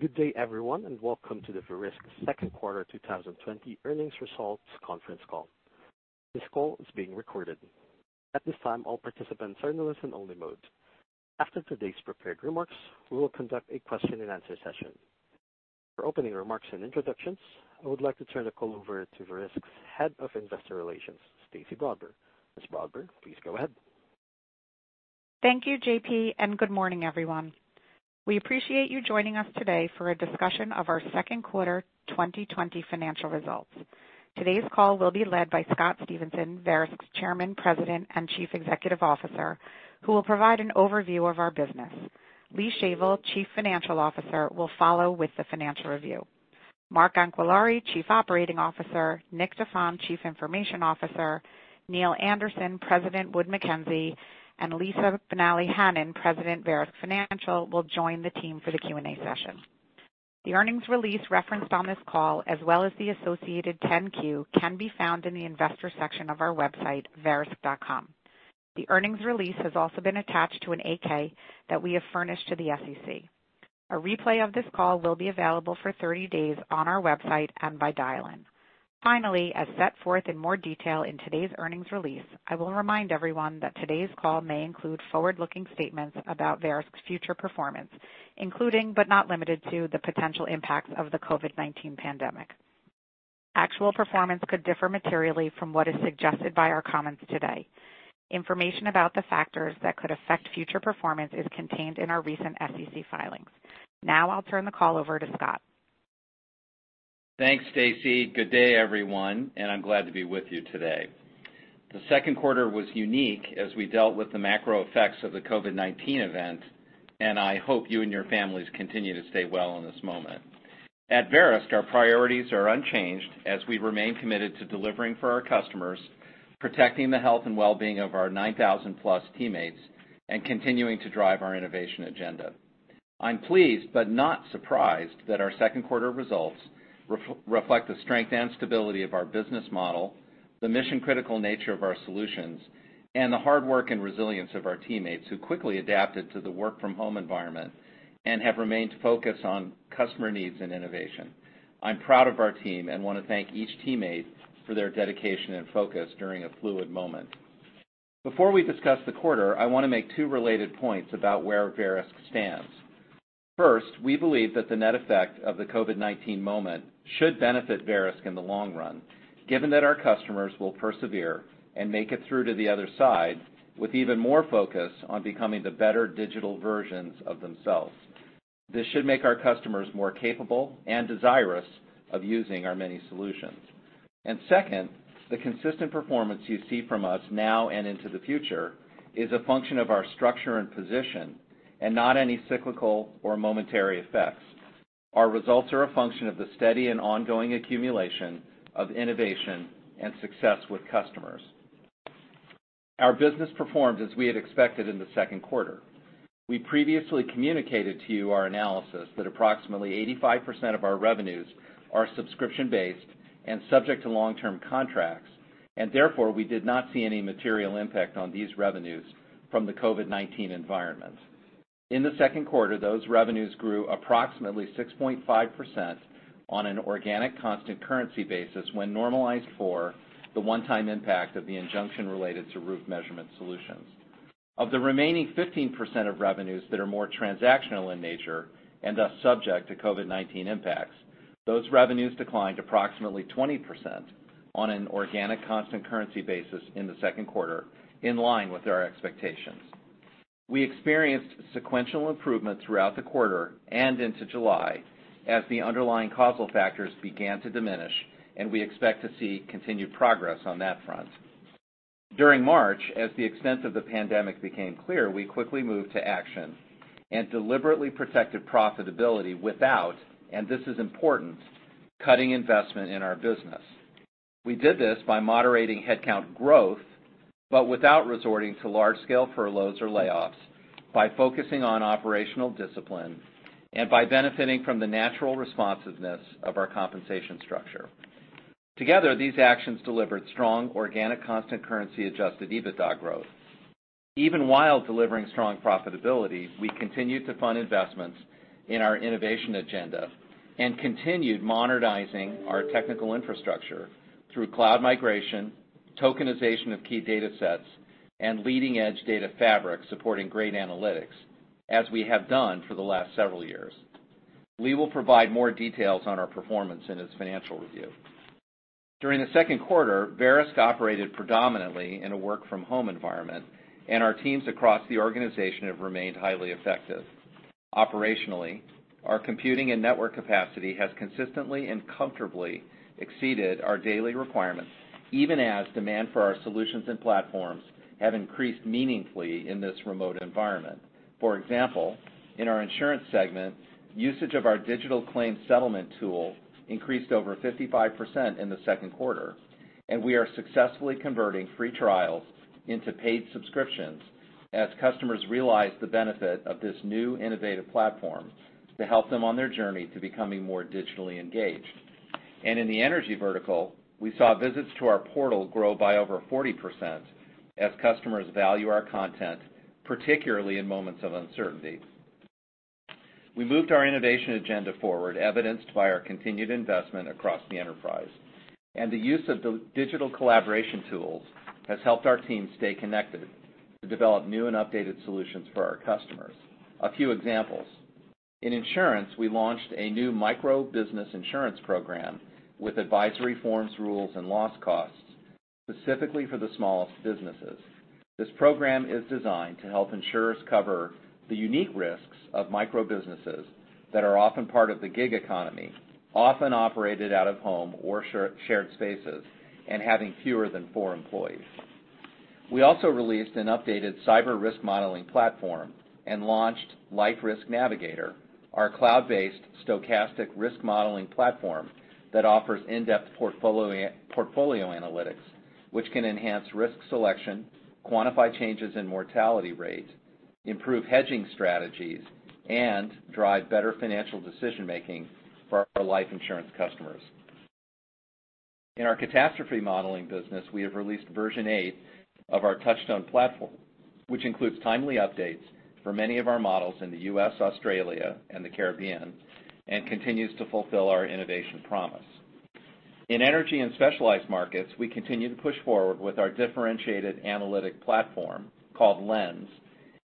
Good day, everyone, and welcome to the Verisk second quarter 2020 earnings results conference call. This call is being recorded. At this time, all participants are in the listen-only mode. After today's prepared remarks, we will conduct a question-and-answer session. For opening remarks and introductions, I would like to turn the call over to Verisk's Head of Investor Relations, Stacey Brodbar. Ms. Brodbar, please go ahead. Thank you, JP, and good morning, everyone. We appreciate you joining us today for a discussion of our second quarter 2020 financial results. Today's call will be led by Scott Stephenson, Verisk's Chairman, President, and Chief Executive Officer, who will provide an overview of our business. Lee Shavel, Chief Financial Officer, will follow with the financial review. Mark Anquillare, Chief Operating Officer, Nick Daffan, Chief Information Officer, Neal Anderson, President, Wood Mackenzie, and Lisa Bonalle-Hannan, President, Verisk Financial, will join the team for the Q&A session. The earnings release referenced on this call, as well as the associated 10-Q, can be found in the investor section of our website, verisk.com. The earnings release has also been attached to an 8-K that we have furnished to the SEC. A replay of this call will be available for 30 days on our website and by dial-in. Finally, as set forth in more detail in today's earnings release, I will remind everyone that today's call may include forward-looking statements about Verisk's future performance, including but not limited to the potential impacts of the COVID-19 pandemic. Actual performance could differ materially from what is suggested by our comments today. Information about the factors that could affect future performance is contained in our recent SEC filings. Now, I'll turn the call over to Scott. Thanks, Stacey. Good day, everyone, and I'm glad to be with you today. The second quarter was unique as we dealt with the macro effects of the COVID-19 event, and I hope you and your families continue to stay well in this moment. At Verisk, our priorities are unchanged as we remain committed to delivering for our customers, protecting the health and well-being of our 9,000-plus teammates, and continuing to drive our innovation agenda. I'm pleased but not surprised that our second quarter results reflect the strength and stability of our business model, the mission-critical nature of our solutions, and the hard work and resilience of our teammates who quickly adapted to the work-from-home environment and have remained focused on customer needs and innovation. I'm proud of our team and want to thank each teammate for their dedication and focus during a fluid moment. Before we discuss the quarter, I want to make two related points about where Verisk stands. First, we believe that the net effect of the COVID-19 moment should benefit Verisk in the long run, given that our customers will persevere and make it through to the other side with even more focus on becoming the better digital versions of themselves. This should make our customers more capable and desirous of using our many solutions, and second, the consistent performance you see from us now and into the future is a function of our structure and position and not any cyclical or momentary effects. Our results are a function of the steady and ongoing accumulation of innovation and success with customers. Our business performed as we had expected in the second quarter. We previously communicated to you our analysis that approximately 85% of our revenues are subscription-based and subject to long-term contracts, and therefore we did not see any material impact on these revenues from the COVID-19 environment. In the second quarter, those revenues grew approximately 6.5% on an organic constant currency basis when normalized for the one-time impact of the injunction related to roof measurement solutions. Of the remaining 15% of revenues that are more transactional in nature and thus subject to COVID-19 impacts, those revenues declined approximately 20% on an organic constant currency basis in the second quarter, in line with our expectations. We experienced sequential improvement throughout the quarter and into July as the underlying causal factors began to diminish, and we expect to see continued progress on that front. During March, as the extent of the pandemic became clear, we quickly moved to action and deliberately protected profitability without, and this is important, cutting investment in our business. We did this by moderating headcount growth but without resorting to large-scale furloughs or layoffs, by focusing on operational discipline, and by benefiting from the natural responsiveness of our compensation structure. Together, these actions delivered strong organic constant currency-adjusted EBITDA growth. Even while delivering strong profitability, we continued to fund investments in our innovation agenda and continued modernizing our technical infrastructure through cloud migration, tokenization of key data sets, and leading-edge data fabric supporting great analytics, as we have done for the last several years. Lee will provide more details on our performance in his financial review. During the second quarter, Verisk operated predominantly in a work-from-home environment, and our teams across the organization have remained highly effective. Operationally, our computing and network capacity has consistently and comfortably exceeded our daily requirements, even as demand for our solutions and platforms have increased meaningfully in this remote environment. For example, in our insurance segment, usage of our digital claim settlement tool increased over 55% in the second quarter, and we are successfully converting free trials into paid subscriptions as customers realize the benefit of this new innovative platform to help them on their journey to becoming more digitally engaged. And in the energy vertical, we saw visits to our portal grow by over 40% as customers value our content, particularly in moments of uncertainty. We moved our innovation agenda forward, evidenced by our continued investment across the enterprise, and the use of digital collaboration tools has helped our team stay connected to develop new and updated solutions for our customers. A few examples: in insurance, we launched a new micro-business insurance program with advisory forms, rules, and loss costs specifically for the smallest businesses. This program is designed to help insurers cover the unique risks of micro-businesses that are often part of the gig economy, often operated out of home or shared spaces and having fewer than four employees. We also released an updated cyber risk modeling platform and launched Life Risk Navigator, our cloud-based stochastic risk modeling platform that offers in-depth portfolio analytics, which can enhance risk selection, quantify changes in mortality rate, improve hedging strategies, and drive better financial decision-making for our life insurance customers. In our catastrophe modeling business, we have released Version 8 of our Touchstone platform, which includes timely updates for many of our models in the U.S., Australia, and the Caribbean, and continues to fulfill our innovation promise. In Energy and Specialized Markets, we continue to push forward with our differentiated analytic platform called Lens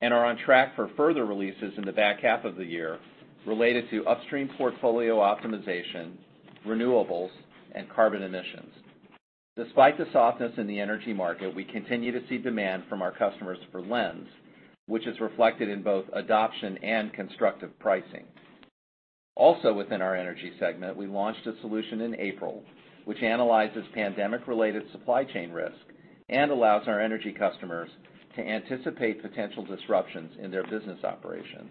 and are on track for further releases in the back half of the year related to upstream portfolio optimization, renewables, and carbon emissions. Despite the softness in the energy market, we continue to see demand from our customers for Lens, which is reflected in both adoption and constructive pricing. Also, within our energy segment, we launched a solution in April, which analyzes pandemic-related supply chain risk and allows our energy customers to anticipate potential disruptions in their business operations.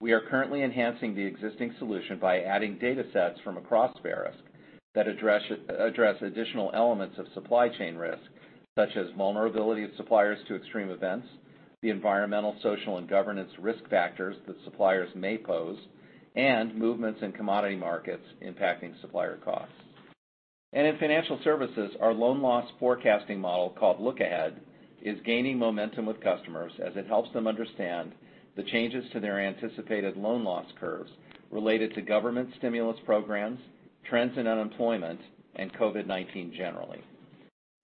We are currently enhancing the existing solution by adding data sets from across Verisk that address additional elements of supply chain risk, such as vulnerability of suppliers to extreme events, the environmental, social, and governance risk factors that suppliers may pose, and movements in commodity markets impacting supplier costs. In Financial Services, our loan loss forecasting model called LookAhead is gaining momentum with customers as it helps them understand the changes to their anticipated loan loss curves related to government stimulus programs, trends in unemployment, and COVID-19 generally.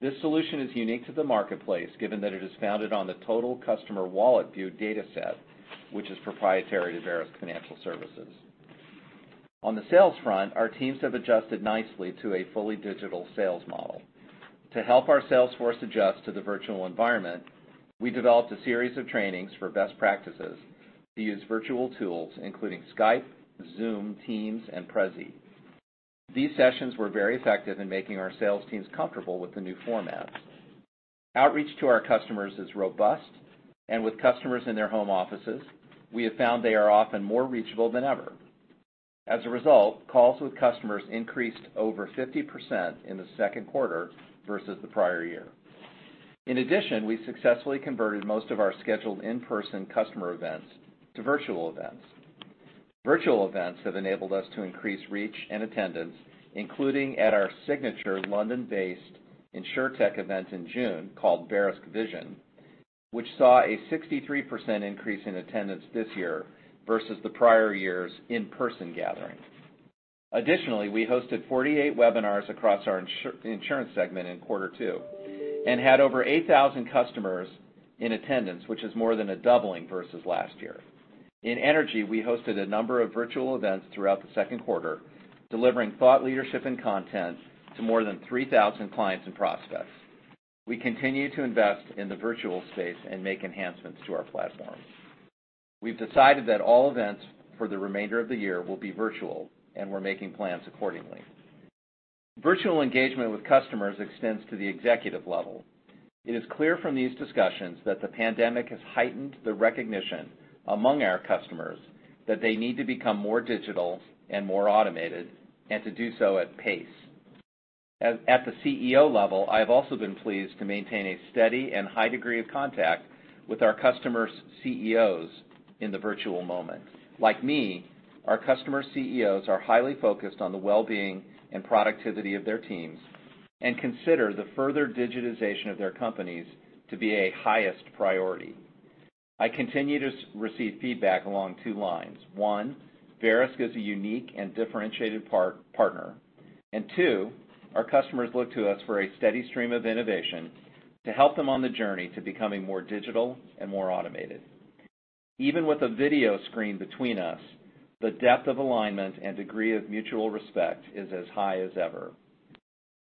This solution is unique to the marketplace, given that it is founded on the total customer wallet view data set, which is proprietary to Verisk Financial Services. On the sales front, our teams have adjusted nicely to a fully digital sales model. To help our salesforce adjust to the virtual environment, we developed a series of trainings for best practices to use virtual tools, including Skype, Zoom, Teams, and Prezi. These sessions were very effective in making our sales teams comfortable with the new formats. Outreach to our customers is robust, and with customers in their home offices, we have found they are often more reachable than ever. As a result, calls with customers increased over 50% in the second quarter versus the prior year. In addition, we successfully converted most of our scheduled in-person customer events to virtual events. Virtual events have enabled us to increase reach and attendance, including at our signature London-based InsurTech event in June called Verisk Vision, which saw a 63% increase in attendance this year versus the prior year's in-person gathering. Additionally, we hosted 48 webinars across our insurance segment in quarter two and had over 8,000 customers in attendance, which is more than a doubling versus last year. In Energy, we hosted a number of virtual events throughout the second quarter, delivering thought leadership and content to more than 3,000 clients and prospects. We continue to invest in the virtual space and make enhancements to our platform. We've decided that all events for the remainder of the year will be virtual, and we're making plans accordingly. Virtual engagement with customers extends to the executive level. It is clear from these discussions that the pandemic has heightened the recognition among our customers that they need to become more digital and more automated and to do so at pace. At the CEO level, I have also been pleased to maintain a steady and high degree of contact with our customers' CEOs in the virtual moment. Like me, our customers' CEOs are highly focused on the well-being and productivity of their teams and consider the further digitization of their companies to be a highest priority. I continue to receive feedback along two lines: one, Verisk is a unique and differentiated partner, and two, our customers look to us for a steady stream of innovation to help them on the journey to becoming more digital and more automated. Even with a video screen between us, the depth of alignment and degree of mutual respect is as high as ever.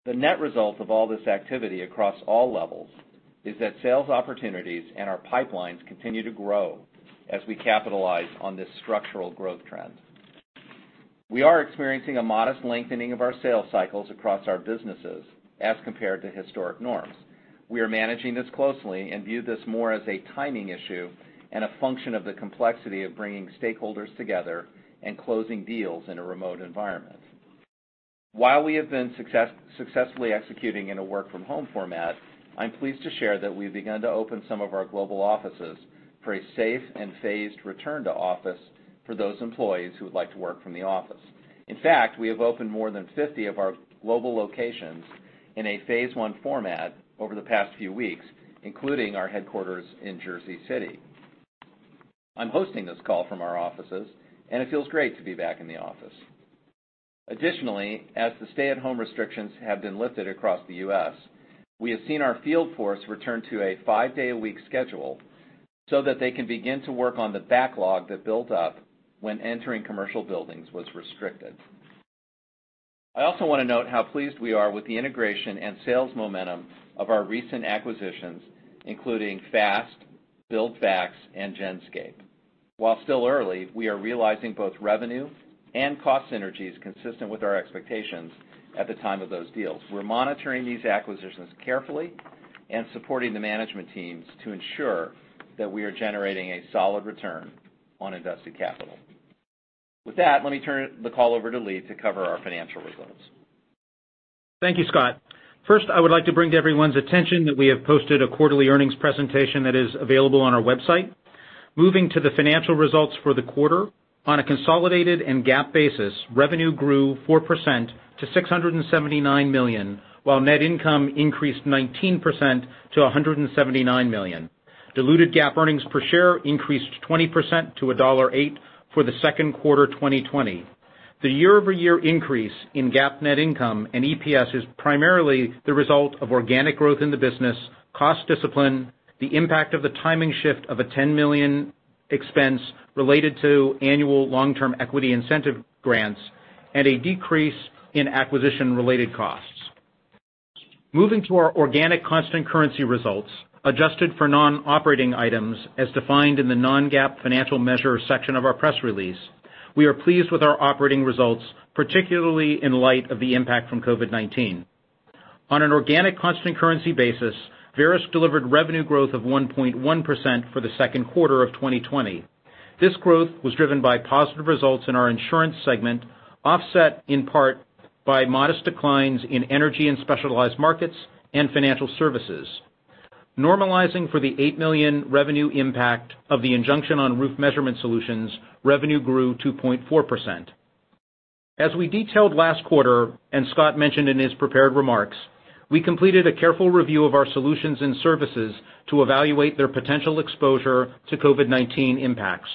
The net result of all this activity across all levels is that sales opportunities and our pipelines continue to grow as we capitalize on this structural growth trend. We are experiencing a modest lengthening of our sales cycles across our businesses as compared to historic norms. We are managing this closely and view this more as a timing issue and a function of the complexity of bringing stakeholders together and closing deals in a remote environment. While we have been successfully executing in a work-from-home format, I'm pleased to share that we've begun to open some of our global offices for a safe and phased return to office for those employees who would like to work from the office. In fact, we have opened more than 50 of our global locations in a phase I format over the past few weeks, including our headquarters in Jersey City. I'm hosting this call from our offices, and it feels great to be back in the office. Additionally, as the stay-at-home restrictions have been lifted across the U.S., we have seen our field force return to a five-day-a-week schedule so that they can begin to work on the backlog that built up when entering commercial buildings was restricted. I also want to note how pleased we are with the integration and sales momentum of our recent acquisitions, including FAST, BuildFax, and Genscape. While still early, we are realizing both revenue and cost synergies consistent with our expectations at the time of those deals. We're monitoring these acquisitions carefully and supporting the management teams to ensure that we are generating a solid return on invested capital. With that, let me turn the call over to Lee to cover our financial results. Thank you, Scott. First, I would like to bring to everyone's attention that we have posted a quarterly earnings presentation that is available on our website. Moving to the financial results for the quarter, on a consolidated and GAAP basis, revenue grew 4% to $679 million, while net income increased 19% to $179 million. Diluted GAAP earnings per share increased 20% to $1.08 for the second quarter 2020. The year-over-year increase in GAAP net income and EPS is primarily the result of organic growth in the business, cost discipline, the impact of the timing shift of a $10 million expense related to annual long-term equity incentive grants, and a decrease in acquisition-related costs. Moving to our organic constant currency results, adjusted for non-operating items as defined in the non-GAAP financial measure section of our press release, we are pleased with our operating results, particularly in light of the impact from COVID-19. On an organic constant currency basis, Verisk delivered revenue growth of 1.1% for the second quarter of 2020. This growth was driven by positive results in our insurance segment, offset in part by modest declines in energy and specialized markets and financial services. Normalizing for the $8 million revenue impact of the injunction on roof measurement solutions, revenue grew 2.4%. As we detailed last quarter, and Scott mentioned in his prepared remarks, we completed a careful review of our solutions and services to evaluate their potential exposure to COVID-19 impacts.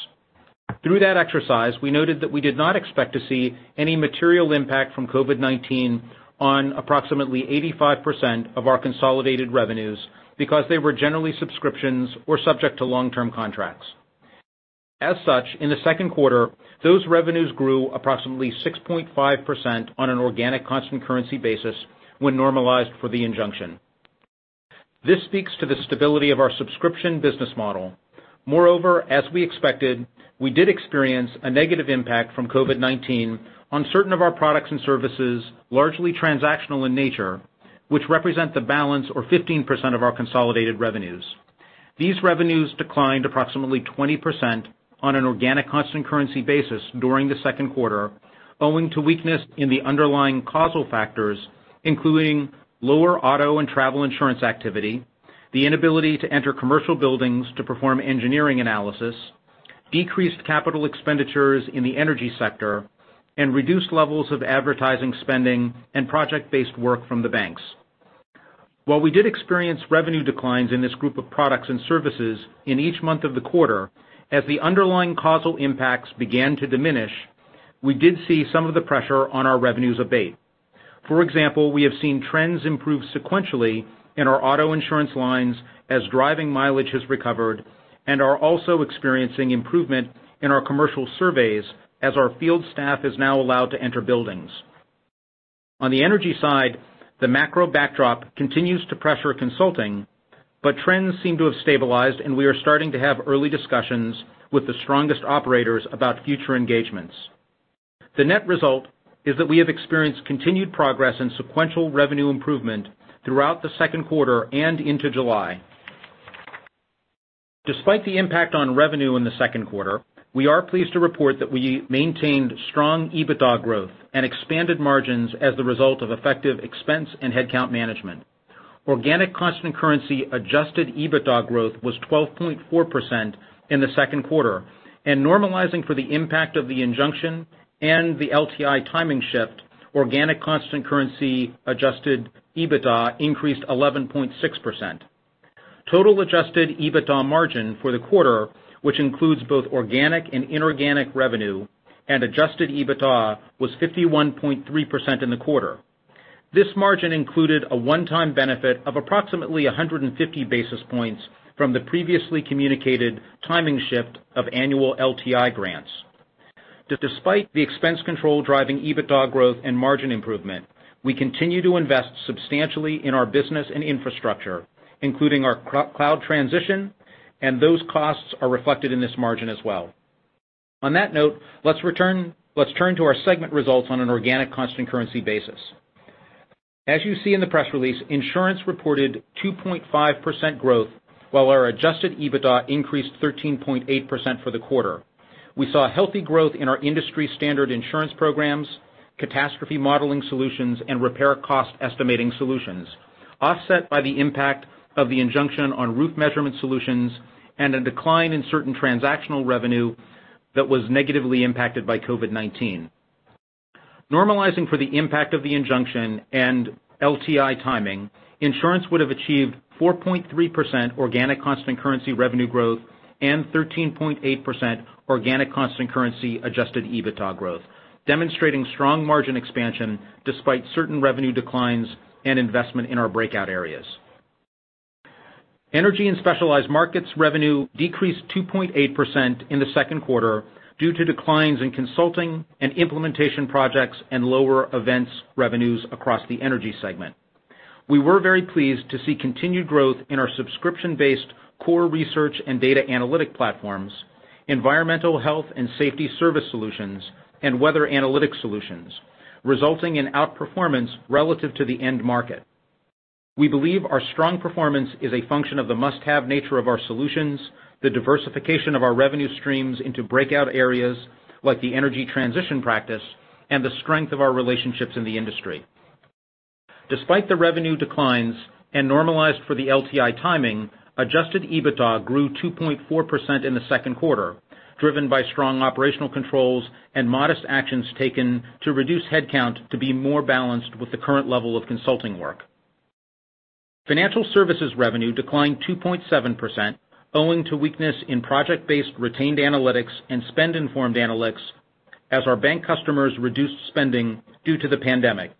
Through that exercise, we noted that we did not expect to see any material impact from COVID-19 on approximately 85% of our consolidated revenues because they were generally subscriptions or subject to long-term contracts. As such, in the second quarter, those revenues grew approximately 6.5% on an organic constant currency basis when normalized for the injunction. This speaks to the stability of our subscription business model. Moreover, as we expected, we did experience a negative impact from COVID-19 on certain of our products and services, largely transactional in nature, which represent the balance, or 15%, of our consolidated revenues. These revenues declined approximately 20% on an organic constant currency basis during the second quarter, owing to weakness in the underlying causal factors, including lower auto and travel insurance activity, the inability to enter commercial buildings to perform engineering analysis, decreased capital expenditures in the energy sector, and reduced levels of advertising spending and project-based work from the banks. While we did experience revenue declines in this group of products and services in each month of the quarter, as the underlying causal impacts began to diminish, we did see some of the pressure on our revenues abate. For example, we have seen trends improve sequentially in our auto insurance lines as driving mileage has recovered and are also experiencing improvement in our commercial surveys as our field staff is now allowed to enter buildings. On the energy side, the macro backdrop continues to pressure consulting, but trends seem to have stabilized, and we are starting to have early discussions with the strongest operators about future engagements. The net result is that we have experienced continued progress and sequential revenue improvement throughout the second quarter and into July. Despite the impact on revenue in the second quarter, we are pleased to report that we maintained strong EBITDA growth and expanded margins as the result of effective expense and headcount management. Organic constant currency adjusted EBITDA growth was 12.4% in the second quarter, and normalizing for the impact of the injunction and the LTI timing shift, organic constant currency adjusted EBITDA increased 11.6%. Total adjusted EBITDA margin for the quarter, which includes both organic and inorganic revenue, and adjusted EBITDA was 51.3% in the quarter. This margin included a one-time benefit of approximately 150 basis points from the previously communicated timing shift of annual LTI grants. Despite the expense control driving EBITDA growth and margin improvement, we continue to invest substantially in our business and infrastructure, including our cloud transition, and those costs are reflected in this margin as well. On that note, let's turn to our segment results on an organic constant currency basis. As you see in the press release, insurance reported 2.5% growth, while our adjusted EBITDA increased 13.8% for the quarter. We saw healthy growth in our industry-standard insurance programs, catastrophe modeling solutions, and repair cost estimating solutions, offset by the impact of the injunction on roof measurement solutions and a decline in certain transactional revenue that was negatively impacted by COVID-19. Normalizing for the impact of the injunction and LTI timing, insurance would have achieved 4.3% organic constant currency revenue growth and 13.8% organic constant currency adjusted EBITDA growth, demonstrating strong margin expansion despite certain revenue declines and investment in our breakout areas. Energy and specialized markets revenue decreased 2.8% in the second quarter due to declines in consulting and implementation projects and lower events revenues across the energy segment. We were very pleased to see continued growth in our subscription-based core research and data analytic platforms, environmental health and safety service solutions, and weather analytic solutions, resulting in outperformance relative to the end market. We believe our strong performance is a function of the must-have nature of our solutions, the diversification of our revenue streams into breakout areas like the energy transition practice, and the strength of our relationships in the industry. Despite the revenue declines and normalized for the LTI timing, adjusted EBITDA grew 2.4% in the second quarter, driven by strong operational controls and modest actions taken to reduce headcount to be more balanced with the current level of consulting work. Financial services revenue declined 2.7%, owing to weakness in project-based retained analytics and spend-informed analytics as our bank customers reduced spending due to the pandemic.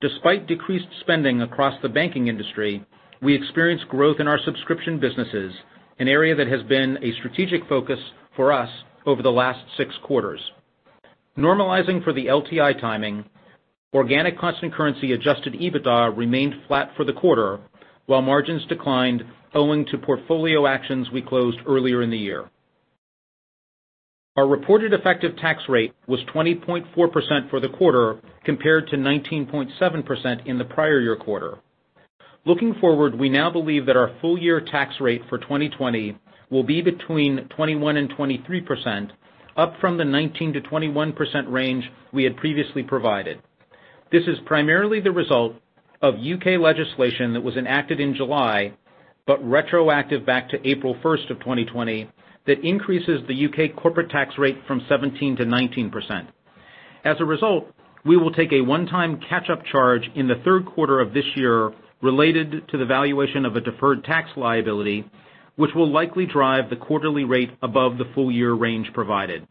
Despite decreased spending across the banking industry, we experienced growth in our subscription businesses, an area that has been a strategic focus for us over the last six quarters. Normalizing for the LTI timing, organic constant currency adjusted EBITDA remained flat for the quarter, while margins declined, owing to portfolio actions we closed earlier in the year. Our reported effective tax rate was 20.4% for the quarter compared to 19.7% in the prior year quarter. Looking forward, we now believe that our full-year tax rate for 2020 will be between 21%-23%, up from the 19%-21% range we had previously provided. This is primarily the result of UK legislation that was enacted in July but retroactive back to April 1st of 2020 that increases the UK corporate tax rate from 17%-19%. As a result, we will take a one-time catch-up charge in the third quarter of this year related to the valuation of a deferred tax liability, which will likely drive the quarterly rate above the full-year range provided.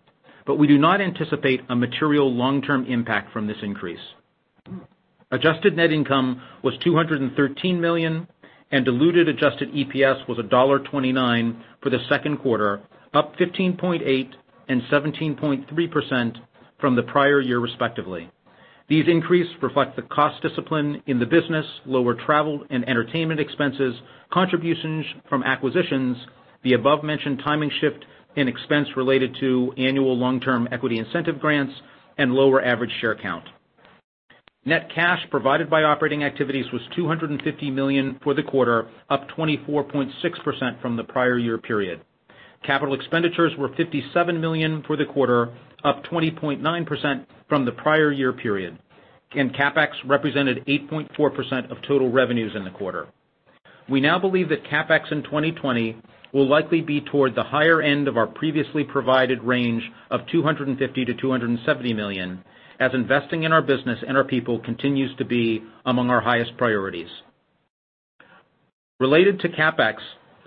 But we do not anticipate a material long-term impact from this increase. Adjusted net income was $213 million, and diluted adjusted EPS was $1.29 for the second quarter, up 15.8% and 17.3% from the prior year, respectively. These increases reflect the cost discipline in the business, lower travel and entertainment expenses, contributions from acquisitions, the above-mentioned timing shift in expense related to annual long-term equity incentive grants, and lower average share count. Net cash provided by operating activities was $250 million for the quarter, up 24.6% from the prior year period. Capital expenditures were $57 million for the quarter, up 20.9% from the prior year period, and CapEx represented 8.4% of total revenues in the quarter. We now believe that CapEx in 2020 will likely be toward the higher end of our previously provided range of $250 million-$270 million as investing in our business and our people continues to be among our highest priorities. Related to CapEx,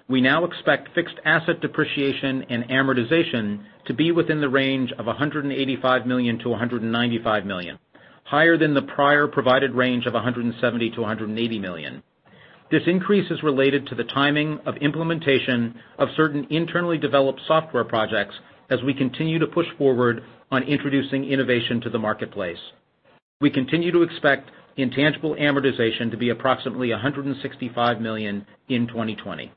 we now expect fixed asset depreciation and amortization to be within the range of $185 million-$195 million, higher than the prior provided range of $170 million-$180 million. This increase is related to the timing of implementation of certain internally developed software projects as we continue to push forward on introducing innovation to the marketplace. We continue to expect intangible amortization to be approximately $165 million in 2020.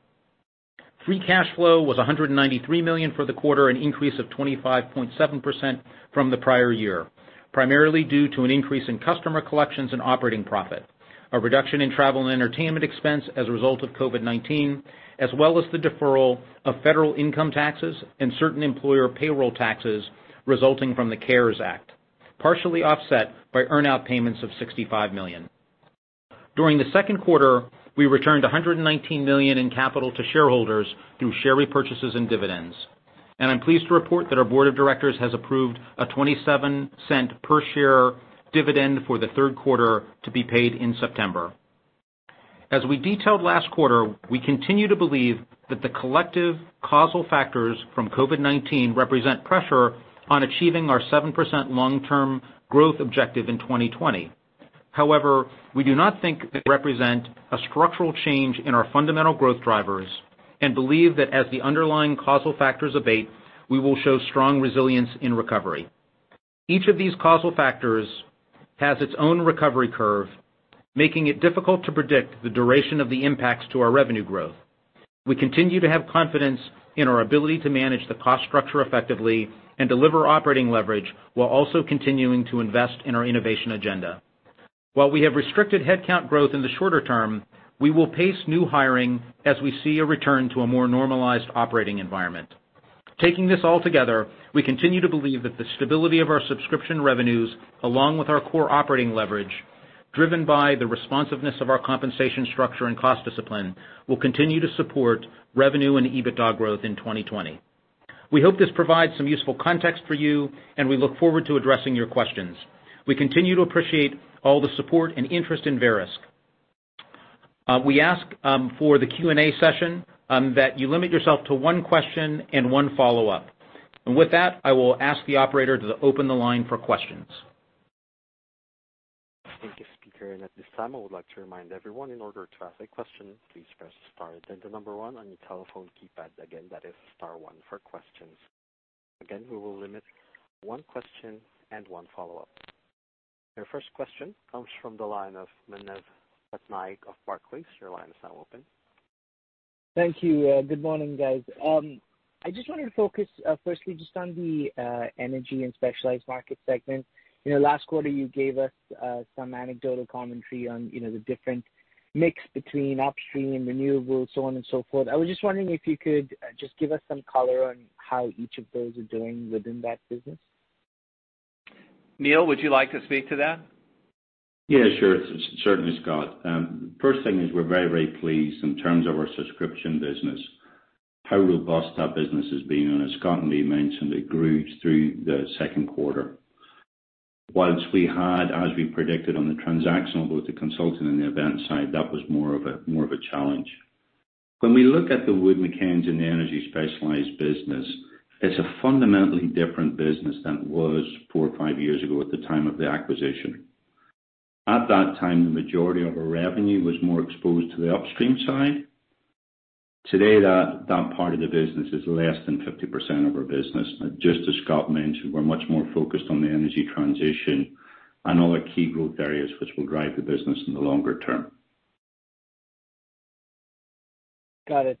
Free cash flow was $193 million for the quarter, an increase of 25.7% from the prior year, primarily due to an increase in customer collections and operating profit, a reduction in travel and entertainment expense as a result of COVID-19, as well as the deferral of federal income taxes and certain employer payroll taxes resulting from the CARES Act, partially offset by earnout payments of $65 million. During the second quarter, we returned $119 million in capital to shareholders through share repurchases and dividends, and I'm pleased to report that our board of directors has approved a $0.27 per share dividend for the third quarter to be paid in September. As we detailed last quarter, we continue to believe that the collective causal factors from COVID-19 represent pressure on achieving our 7% long-term growth objective in 2020. However, we do not think they represent a structural change in our fundamental growth drivers and believe that as the underlying causal factors abate, we will show strong resilience in recovery. Each of these causal factors has its own recovery curve, making it difficult to predict the duration of the impacts to our revenue growth. We continue to have confidence in our ability to manage the cost structure effectively and deliver operating leverage while also continuing to invest in our innovation agenda. While we have restricted headcount growth in the shorter term, we will pace new hiring as we see a return to a more normalized operating environment. Taking this all together, we continue to believe that the stability of our subscription revenues, along with our core operating leverage, driven by the responsiveness of our compensation structure and cost discipline, will continue to support revenue and EBITDA growth in 2020. We hope this provides some useful context for you, and we look forward to addressing your questions. We continue to appreciate all the support and interest in Verisk. We ask for the Q&A session that you limit yourself to one question and one follow-up. And with that, I will ask the operator to open the line for questions. Thank you, Speaker. And at this time, I would like to remind everyone in order to ask a question, please press star at the number one on your telephone keypad again. That is star one for questions. Again, we will limit one question and one follow-up. Our first question comes from the line of Manav Patnaik of Barclays. Your line is now open. Thank you. Good morning, guys. I just wanted to focus firstly just on the Energy and Specialized Market segment. Last quarter, you gave us some anecdotal commentary on the different mix between upstream, renewables, so on and so forth. I was just wondering if you could just give us some color on how each of those are doing within that business. Neal, would you like to speak to that? Yeah, sure. Certainly, Scott. First thing is we're very, very pleased in terms of our subscription business, how robust our business has been. And as Scott and Lee mentioned, it grew through the second quarter. While we had, as we predicted on the transactional with the consulting and the event side, that was more of a challenge. When we look at the Wood Mackenzie and the energy specialized business, it's a fundamentally different business than it was four or five years ago at the time of the acquisition. At that time, the majority of our revenue was more exposed to the upstream side. Today, that part of the business is less than 50% of our business. Just as Scott mentioned, we're much more focused on the energy transition and other key growth areas which will drive the business in the longer term. Got it.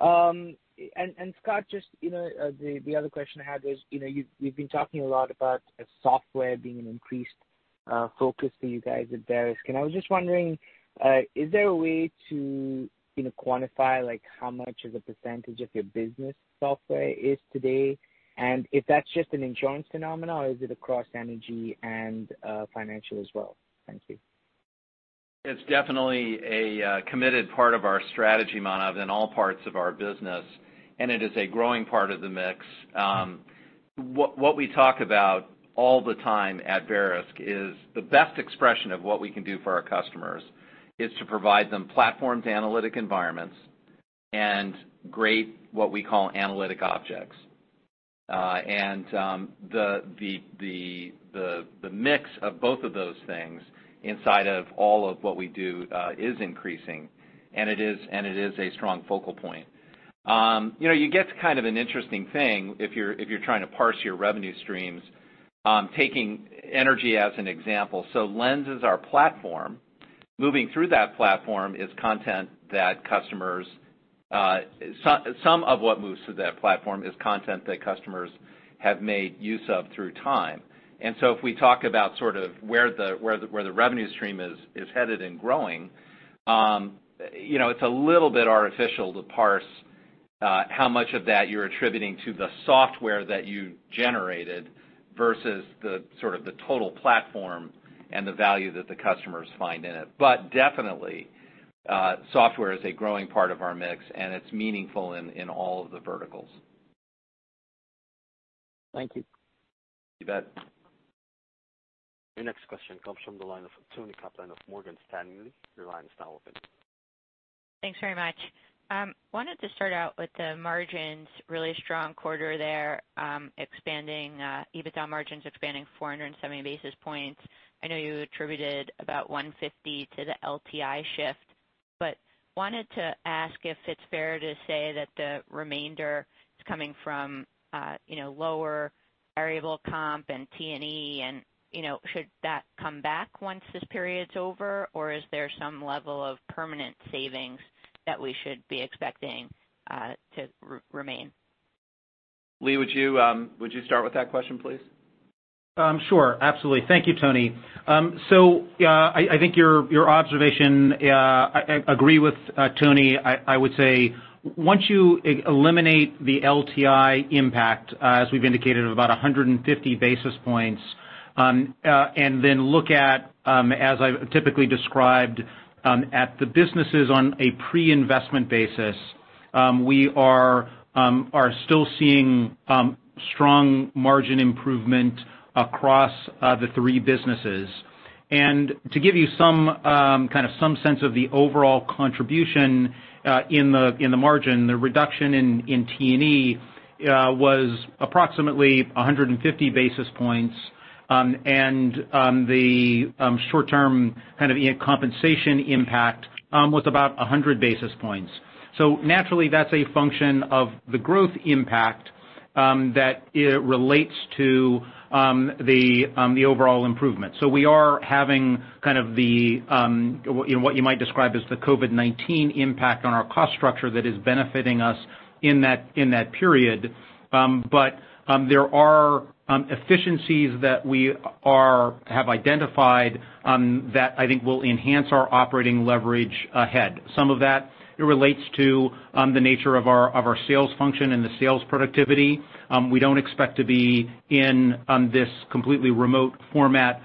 Scott, just the other question I had is you've been talking a lot about software being an increased focus for you guys at Verisk. And I was just wondering, is there a way to quantify how much of a percentage of your business software is today? And if that's just an insurance phenomenon, or is it across energy and financial as well? Thank you. It's definitely a committed part of our strategy, Manav, in all parts of our business. And it is a growing part of the mix. What we talk about all the time at Verisk is the best expression of what we can do for our customers is to provide them platforms, analytic environments, and great what we call analytic objects. And the mix of both of those things inside of all of what we do is increasing. And it is a strong focal point. You get to kind of an interesting thing if you're trying to parse your revenue streams, taking energy as an example. So Lens is our platform. Moving through that platform is content. Some of what moves through that platform is content that customers have made use of through time. And so if we talk about sort of where the revenue stream is headed and growing, it's a little bit artificial to parse how much of that you're attributing to the software that you generated versus sort of the total platform and the value that the customers find in it. But definitely, software is a growing part of our mix, and it's meaningful in all of the verticals. Thank you. You bet. Your next question comes from the line of Toni Kaplan of Morgan Stanley. Your line is now open. Thanks very much. I wanted to start out with the margins, really strong quarter there, expanding EBITDA margins, expanding 470 basis points. I know you attributed about 150 to the LTI shift, but wanted to ask if it's fair to say that the remainder is coming from lower variable comp and T&E, and should that come back once this period's over, or is there some level of permanent savings that we should be expecting to remain? Lee, would you start with that question, please? Sure. Absolutely. Thank you, Toni. So I think your observation I agree with Toni. I would say once you eliminate the LTI impact, as we've indicated, of about 150 basis points, and then look at, as I typically described, at the businesses on a pre-investment basis, we are still seeing strong margin improvement across the three businesses. And to give you kind of some sense of the overall contribution in the margin, the reduction in T&E was approximately 150 basis points. And the short-term kind of compensation impact was about 100 basis points. So naturally, that's a function of the growth impact that relates to the overall improvement. So we are having kind of what you might describe as the COVID-19 impact on our cost structure that is benefiting us in that period. But there are efficiencies that we have identified that I think will enhance our operating leverage ahead. Some of that relates to the nature of our sales function and the sales productivity. We don't expect to be in this completely remote format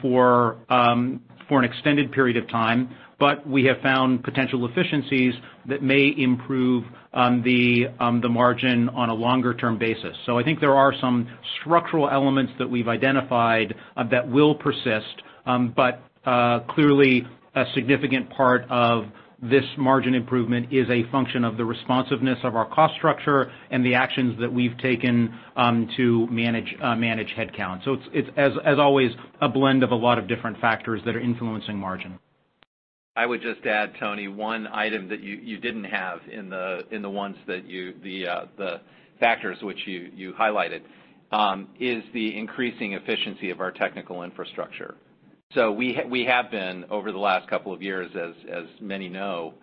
for an extended period of time, but we have found potential efficiencies that may improve the margin on a longer-term basis. So I think there are some structural elements that we've identified that will persist. But clearly, a significant part of this margin improvement is a function of the responsiveness of our cost structure and the actions that we've taken to manage headcount. So it's, as always, a blend of a lot of different factors that are influencing margin. I would just add, Toni, one item that you didn't have in the ones that you the factors which you highlighted is the increasing efficiency of our technical infrastructure. So we have been, over the last couple of years, as many know,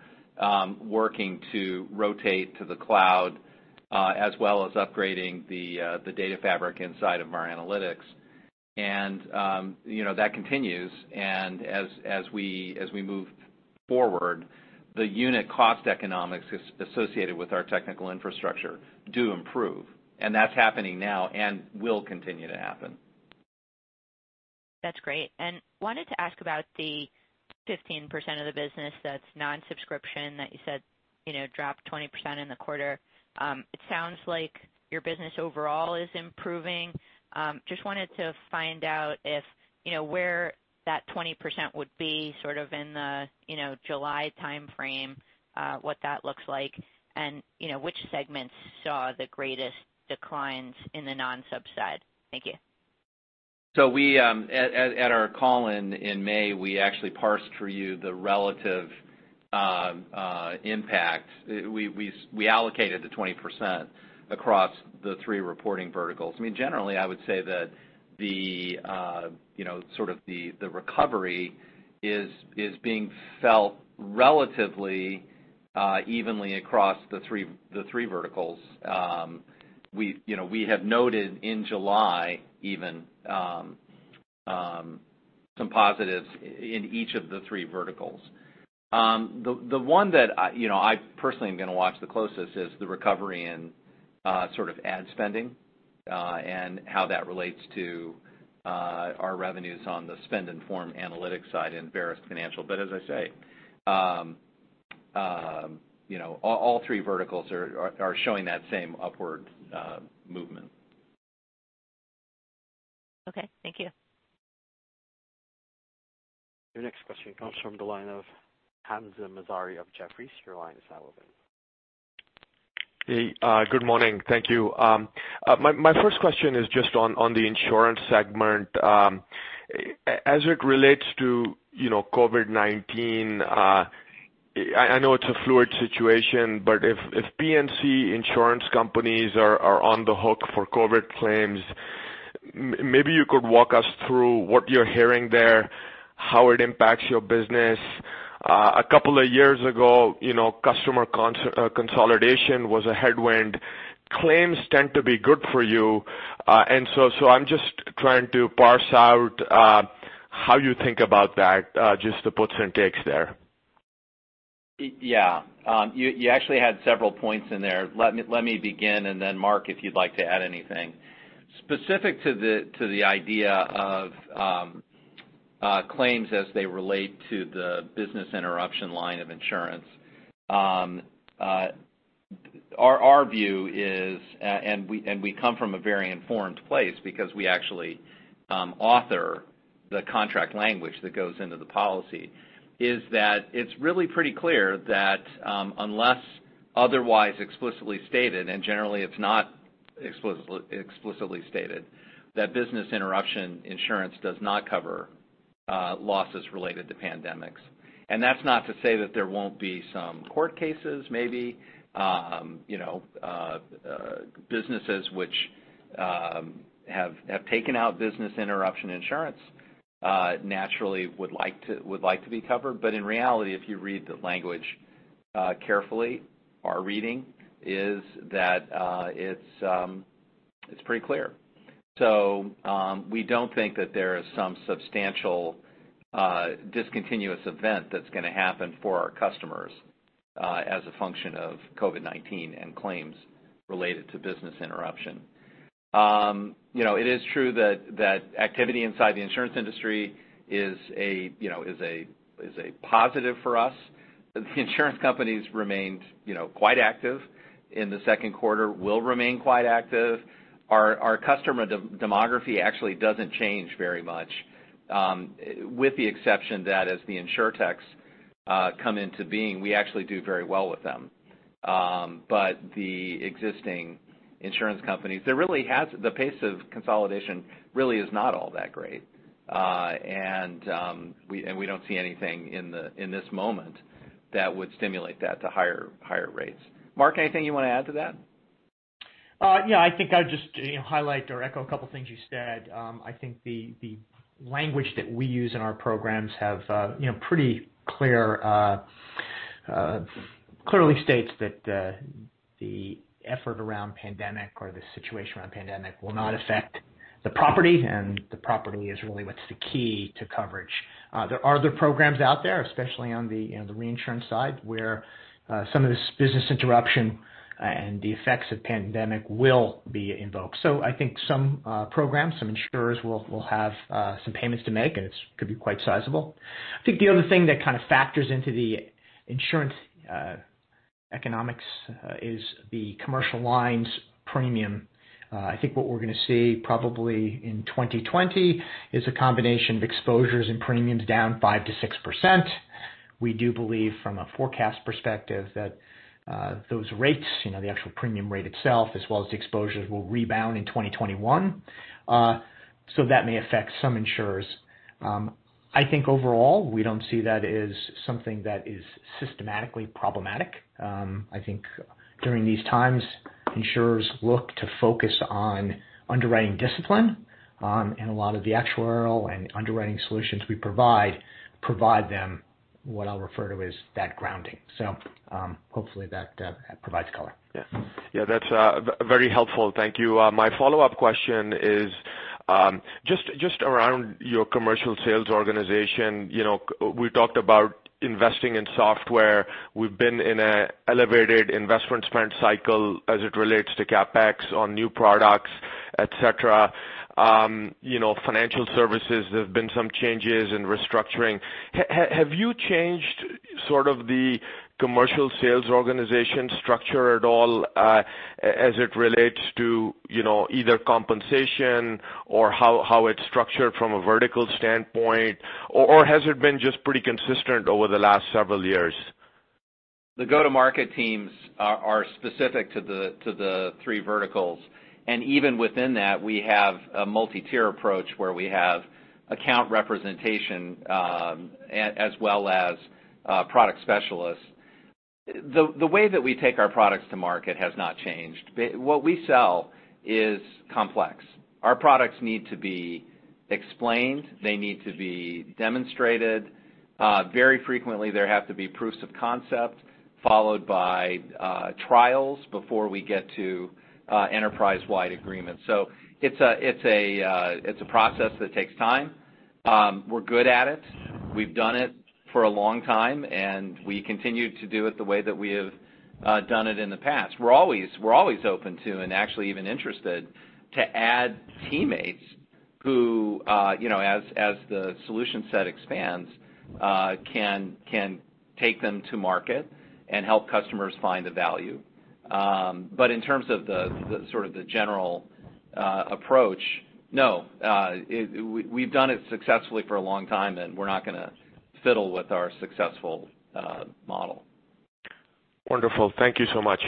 working to rotate to the cloud as well as upgrading the data fabric inside of our analytics. And that continues and as we move forward, the unit cost economics associated with our technical infrastructure do improve. And that's happening now and will continue to happen. That's great. And wanted to ask about the 15% of the business that's non-subscription that you said dropped 20% in the quarter. It sounds like your business overall is improving. Just wanted to find out where that 20% would be sort of in the July timeframe, what that looks like, and which segments saw the greatest declines in the non-subset. Thank you. So at our call in May, we actually parsed for you the relative impact. We allocated the 20% across the three reporting verticals. I mean, generally, I would say that sort of the recovery is being felt relatively evenly across the three verticals. We have noted in July even some positives in each of the three verticals. The one that I personally am going to watch the closest is the recovery in sort of ad spending and how that relates to our revenues on the spend-in-form analytics side in Verisk Financial. But as I say, all three verticals are showing that same upward movement. Okay. Thank you. Your next question comes from the line of Hamzah Mazari of Jefferies. Your line is now open. Hey. Good morning. Thank you. My first question is just on the insurance segment. As it relates to COVID-19, I know it's a fluid situation, but if P&C insurance companies are on the hook for COVID claims, maybe you could walk us through what you're hearing there, how it impacts your business. A couple of years ago, customer consolidation was a headwind. Claims tend to be good for you. And so I'm just trying to parse out how you think about that, just the puts and takes there. Yeah. You actually had several points in there. Let me begin and then Mark if you'd like to add anything. Specific to the idea of claims as they relate to the business interruption line of insurance, our view is, and we come from a very informed place because we actually author the contract language that goes into the policy, is that it's really pretty clear that unless otherwise explicitly stated, and generally, it's not explicitly stated, that business interruption insurance does not cover losses related to pandemics. And that's not to say that there won't be some court cases, maybe businesses which have taken out business interruption insurance naturally would like to be covered. But in reality, if you read the language carefully, our reading is that it's pretty clear. So we don't think that there is some substantial discontinuous event that's going to happen for our customers as a function of COVID-19 and claims related to business interruption. It is true that activity inside the insurance industry is a positive for us. The insurance companies remained quite active in the second quarter, will remain quite active. Our customer demographics actually doesn't change very much, with the exception that as the InsureTechs come into being, we actually do very well with them. But the existing insurance companies, the pace of consolidation really is not all that great. And we don't see anything in this moment that would stimulate that to higher rates. Mark, anything you want to add to that? Yeah. I think I'll just highlight or echo a couple of things you said. I think the language that we use in our programs have pretty clearly states that the effort around pandemic or the situation around pandemic will not affect the property, and the property is really what's the key to coverage. There are other programs out there, especially on the reinsurance side, where some of this business interruption and the effects of pandemic will be invoked. So I think some programs, some insurers will have some payments to make, and it could be quite sizable. I think the other thing that kind of factors into the insurance economics is the commercial lines premium. I think what we're going to see probably in 2020 is a combination of exposures and premiums down 5%-6%. We do believe from a forecast perspective that those rates, the actual premium rate itself, as well as the exposures, will rebound in 2021. So that may affect some insurers. I think overall, we don't see that as something that is systematically problematic. I think during these times, insurers look to focus on underwriting discipline. And a lot of the actuarial and underwriting solutions we provide them, what I'll refer to as that grounding. So hopefully, that provides color. Yeah. Yeah. That's very helpful. Thank you. My follow-up question is just around your commercial sales organization. We talked about investing in software. We've been in an elevated investment spend cycle as it relates to CapEx on new products, etc. Financial services, there have been some changes in restructuring. Have you changed sort of the commercial sales organization structure at all as it relates to either compensation or how it's structured from a vertical standpoint? Or has it been just pretty consistent over the last several years? The go-to-market teams are specific to the three verticals, and even within that, we have a multi-tier approach where we have account representation as well as product specialists. The way that we take our products to market has not changed. What we sell is complex. Our products need to be explained. They need to be demonstrated. Very frequently, there have to be proofs of concept followed by trials before we get to enterprise-wide agreements. So it's a process that takes time. We're good at it. We've done it for a long time, and we continue to do it the way that we have done it in the past. We're always open to and actually even interested to add teammates who, as the solution set expands, can take them to market and help customers find the value. But in terms of sort of the general approach, no. We've done it successfully for a long time, and we're not going to fiddle with our successful model. Wonderful. Thank you so much.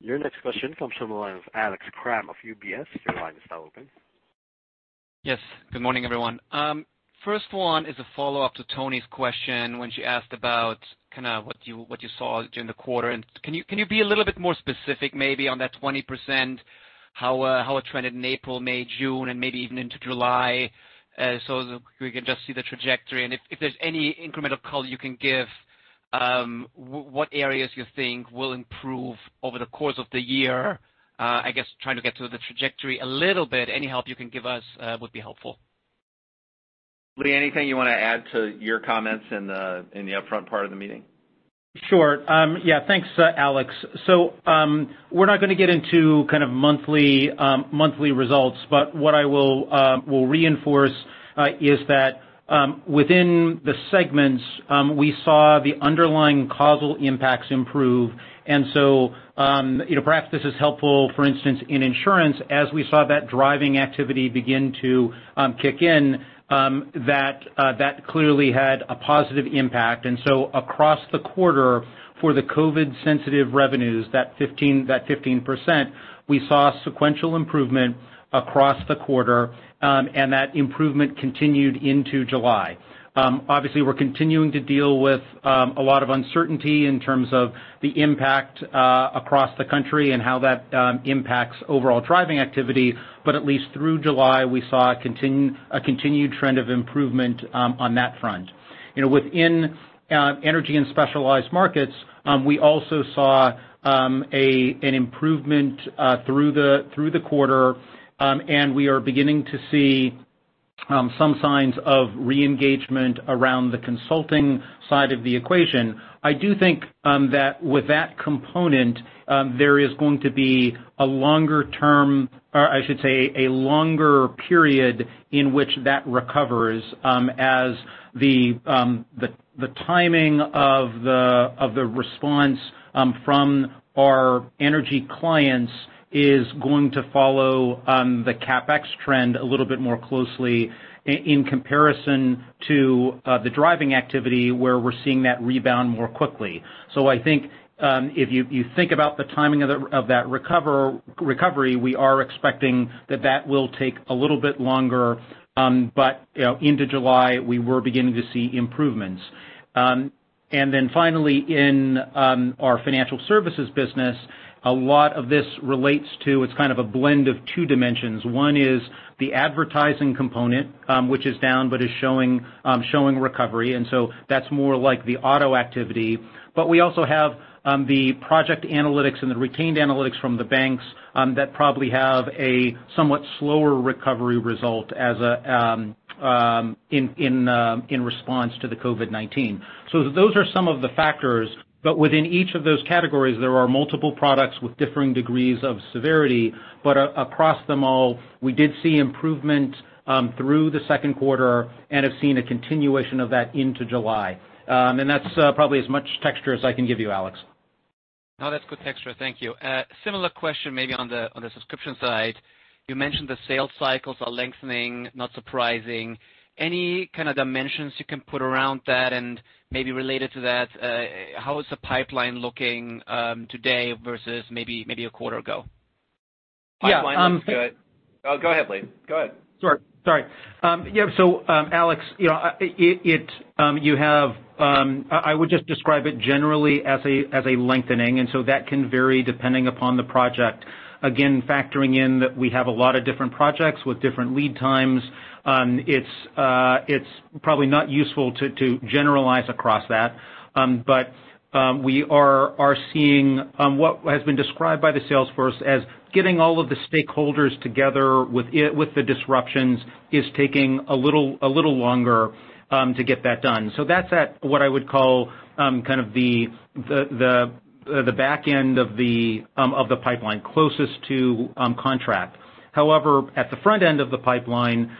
Your next question comes from the line of Alex Kramm of UBS. Your line is now open. Yes. Good morning, everyone. First one is a follow-up to Toni's question when she asked about kind of what you saw during the quarter. And can you be a little bit more specific maybe on that 20%, how it trended in April, May, June, and maybe even into July so we can just see the trajectory? And if there's any incremental color you can give, what areas you think will improve over the course of the year? I guess trying to get to the trajectory a little bit, any help you can give us would be helpful. Lee, anything you want to add to your comments in the upfront part of the meeting? Sure. Yeah. Thanks, Alex. So we're not going to get into kind of monthly results, but what I will reinforce is that within the segments, we saw the underlying causal impacts improve, and so perhaps this is helpful, for instance, in insurance. As we saw that driving activity begin to kick in, that clearly had a positive impact, and so across the quarter for the COVID-sensitive revenues, that 15%, we saw sequential improvement across the quarter, and that improvement continued into July. Obviously, we're continuing to deal with a lot of uncertainty in terms of the impact across the country and how that impacts overall driving activity. But at least through July, we saw a continued trend of improvement on that front. Within Energy and Specialized Markets, we also saw an improvement through the quarter, and we are beginning to see some signs of re-engagement around the consulting side of the equation. I do think that with that component, there is going to be a longer-term, or I should say a longer period in which that recovers, as the timing of the response from our energy clients is going to follow the CapEx trend a little bit more closely in comparison to the driving activity where we're seeing that rebound more quickly. So I think if you think about the timing of that recovery, we are expecting that that will take a little bit longer. But into July, we were beginning to see improvements. And then finally, in our financial services business, a lot of this relates to it's kind of a blend of two dimensions. One is the advertising component, which is down but is showing recovery. And so that's more like the auto activity. But we also have the project analytics and the retained analytics from the banks that probably have a somewhat slower recovery result in response to the COVID-19. So those are some of the factors. But within each of those categories, there are multiple products with differing degrees of severity. But across them all, we did see improvement through the second quarter and have seen a continuation of that into July. And that's probably as much texture as I can give you, Alex. No, that's good texture. Thank you. Similar question maybe on the subscription side. You mentioned the sales cycles are lengthening, not surprising. Any kind of dimensions you can put around that? And maybe related to that, how is the pipeline looking today versus maybe a quarter ago? Pipeline looks good. Oh, go ahead, Lee. Go ahead. Sure. Sorry. Yeah. So Alex, you have. I would just describe it generally as a lengthening. And so that can vary depending upon the project. Again, factoring in that we have a lot of different projects with different lead times, it's probably not useful to generalize across that. But we are seeing what has been described by the sales force as getting all of the stakeholders together with the disruptions is taking a little longer to get that done. So that's at what I would call kind of the back end of the pipeline, closest to contract. However, at the front end of the pipeline,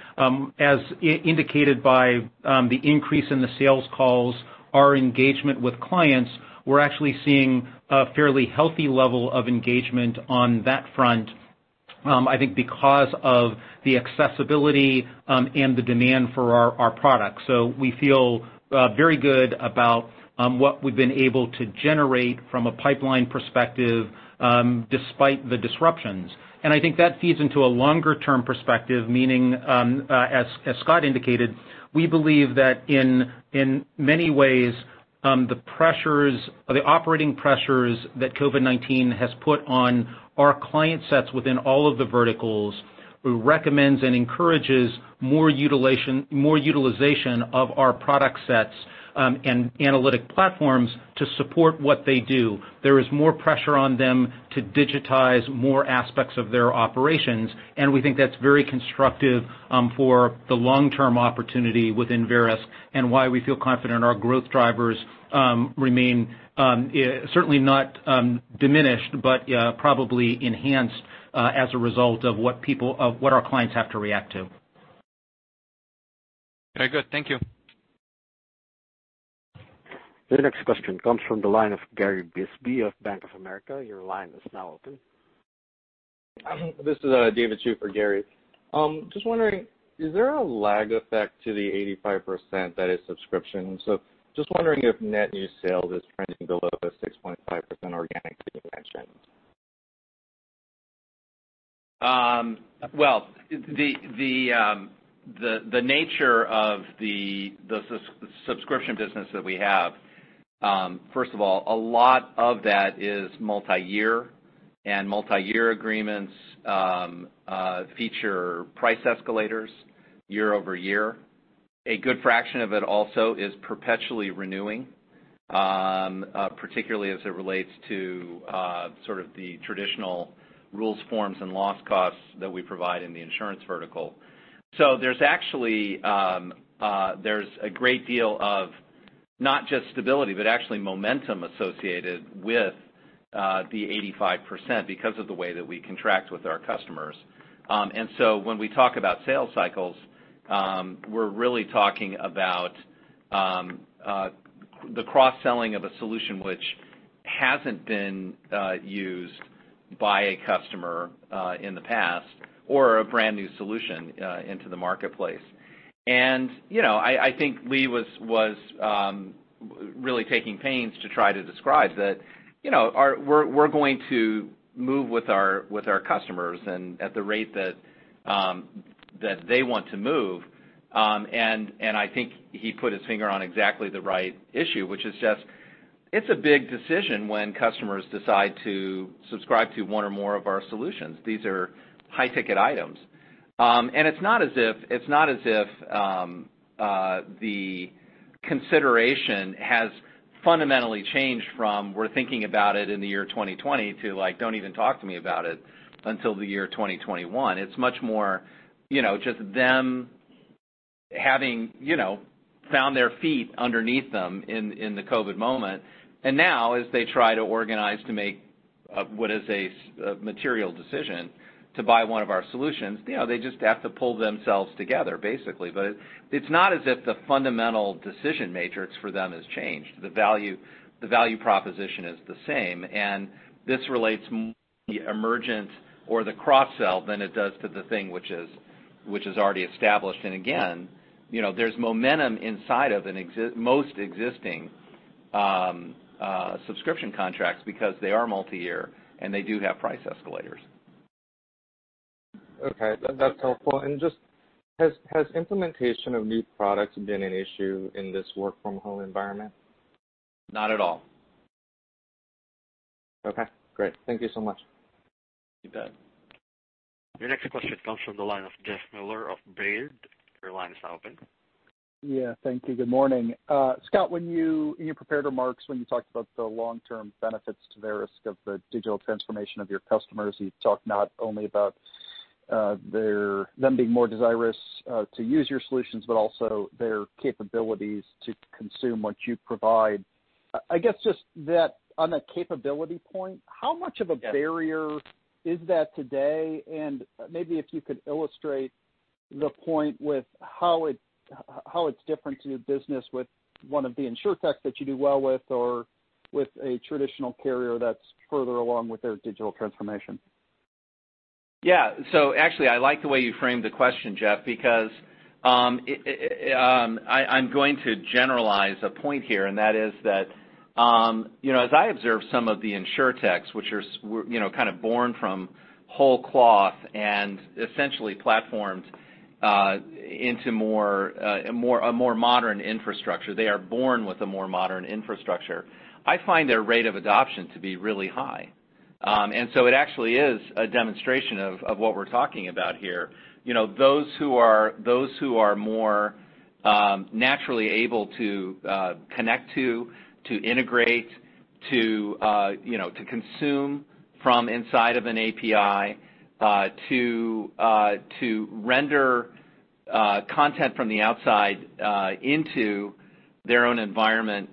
as indicated by the increase in the sales calls, our engagement with clients, we're actually seeing a fairly healthy level of engagement on that front, I think, because of the accessibility and the demand for our products. So we feel very good about what we've been able to generate from a pipeline perspective despite the disruptions. And I think that feeds into a longer-term perspective, meaning, as Scott indicated, we believe that in many ways, the operating pressures that COVID-19 has put on our client sets within all of the verticals recommends and encourages more utilization of our product sets and analytic platforms to support what they do. There is more pressure on them to digitize more aspects of their operations. And we think that's very constructive for the long-term opportunity within Verisk and why we feel confident our growth drivers remain certainly not diminished, but probably enhanced as a result of what our clients have to react to. Very good. Thank you. Your next question comes from the line of Gary Bisbee of Bank of America. Your line is now open. This is David Chu for Gary. Just wondering, is there a lag effect to the 85% that is subscription? So just wondering if net new sales is trending below the 6.5% organic that you mentioned. Well, the nature of the subscription business that we have, first of all, a lot of that is multi-year, and multi-year agreements feature price escalators year over year. A good fraction of it also is perpetually renewing, particularly as it relates to sort of the traditional rules, forms, and loss costs that we provide in the insurance vertical. So there's a great deal of not just stability, but actually momentum associated with the 85% because of the way that we contract with our customers. And so when we talk about sales cycles, we're really talking about the cross-selling of a solution which hasn't been used by a customer in the past or a brand new solution into the marketplace. I think Lee was really taking pains to try to describe that we're going to move with our customers at the rate that they want to move. And I think he put his finger on exactly the right issue, which is just it's a big decision when customers decide to subscribe to one or more of our solutions. These are high-ticket items. And it's not as if the consideration has fundamentally changed from we're thinking about it in the year 2020 to like, "Don't even talk to me about it until the year 2021." It's much more just them having found their feet underneath them in the COVID moment. And now, as they try to organize to make what is a material decision to buy one of our solutions, they just have to pull themselves together, basically. But it's not as if the fundamental decision matrix for them has changed. The value proposition is the same. And this relates more to the emergence or the cross-sell than it does to the thing which is already established. And again, there's momentum inside of most existing subscription contracts because they are multi-year, and they do have price escalators. Okay. That's helpful. And just has implementation of new products been an issue in this work-from-home environment? Not at all. Okay. Great. Thank you so much. You bet. Your next question comes from the line of Jeff Meuler of Baird. Your line is now open. Yeah. Thank you. Good morning. Scott, in your prepared remarks, when you talked about the long-term benefits to Verisk of the digital transformation of your customers, you talked not only about them being more desirous to use your solutions, but also their capabilities to consume what you provide. I guess just on that capability point, how much of a barrier is that today? And maybe if you could illustrate the point with how it's different to your business with one of the InsureTechs that you do well with or with a traditional carrier that's further along with their digital transformation. Yeah. So actually, I like the way you framed the question, Jeff, because I'm going to generalize a point here, and that is that as I observe some of the InsureTechs, which are kind of born from whole cloth and essentially platformed into a more modern infrastructure, they are born with a more modern infrastructure. I find their rate of adoption to be really high. And so it actually is a demonstration of what we're talking about here. Those who are more naturally able to connect to, to integrate, to consume from inside of an API, to render content from the outside into their own environment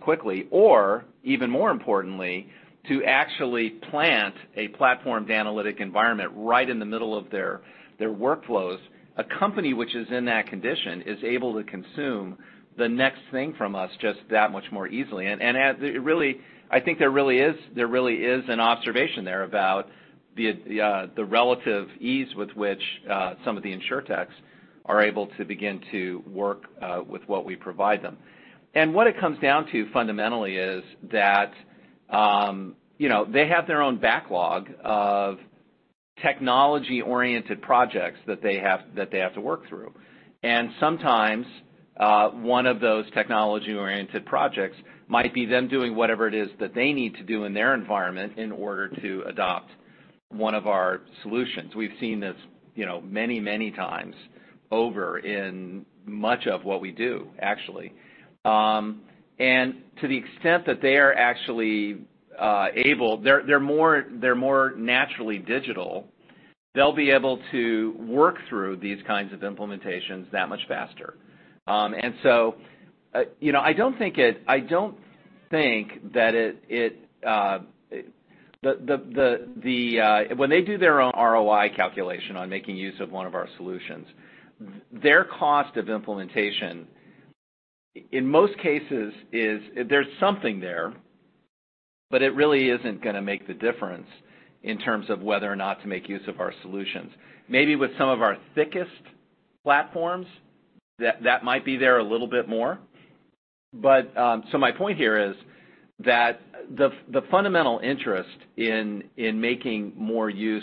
quickly, or even more importantly, to actually plant a platformed analytic environment right in the middle of their workflows, a company which is in that condition is able to consume the next thing from us just that much more easily. And really, I think there really is an observation there about the relative ease with which some of the InsureTechs are able to begin to work with what we provide them. And what it comes down to fundamentally is that they have their own backlog of technology-oriented projects that they have to work through. Sometimes one of those technology-oriented projects might be them doing whatever it is that they need to do in their environment in order to adopt one of our solutions. We've seen this many, many times over in much of what we do, actually. And to the extent that they are actually able they're more naturally digital, they'll be able to work through these kinds of implementations that much faster. And so I don't think that when they do their own ROI calculation on making use of one of our solutions, their cost of implementation, in most cases, is, there's something there, but it really isn't going to make the difference in terms of whether or not to make use of our solutions. Maybe with some of our thickest platforms, that might be there a little bit more. So my point here is that the fundamental interest in making more use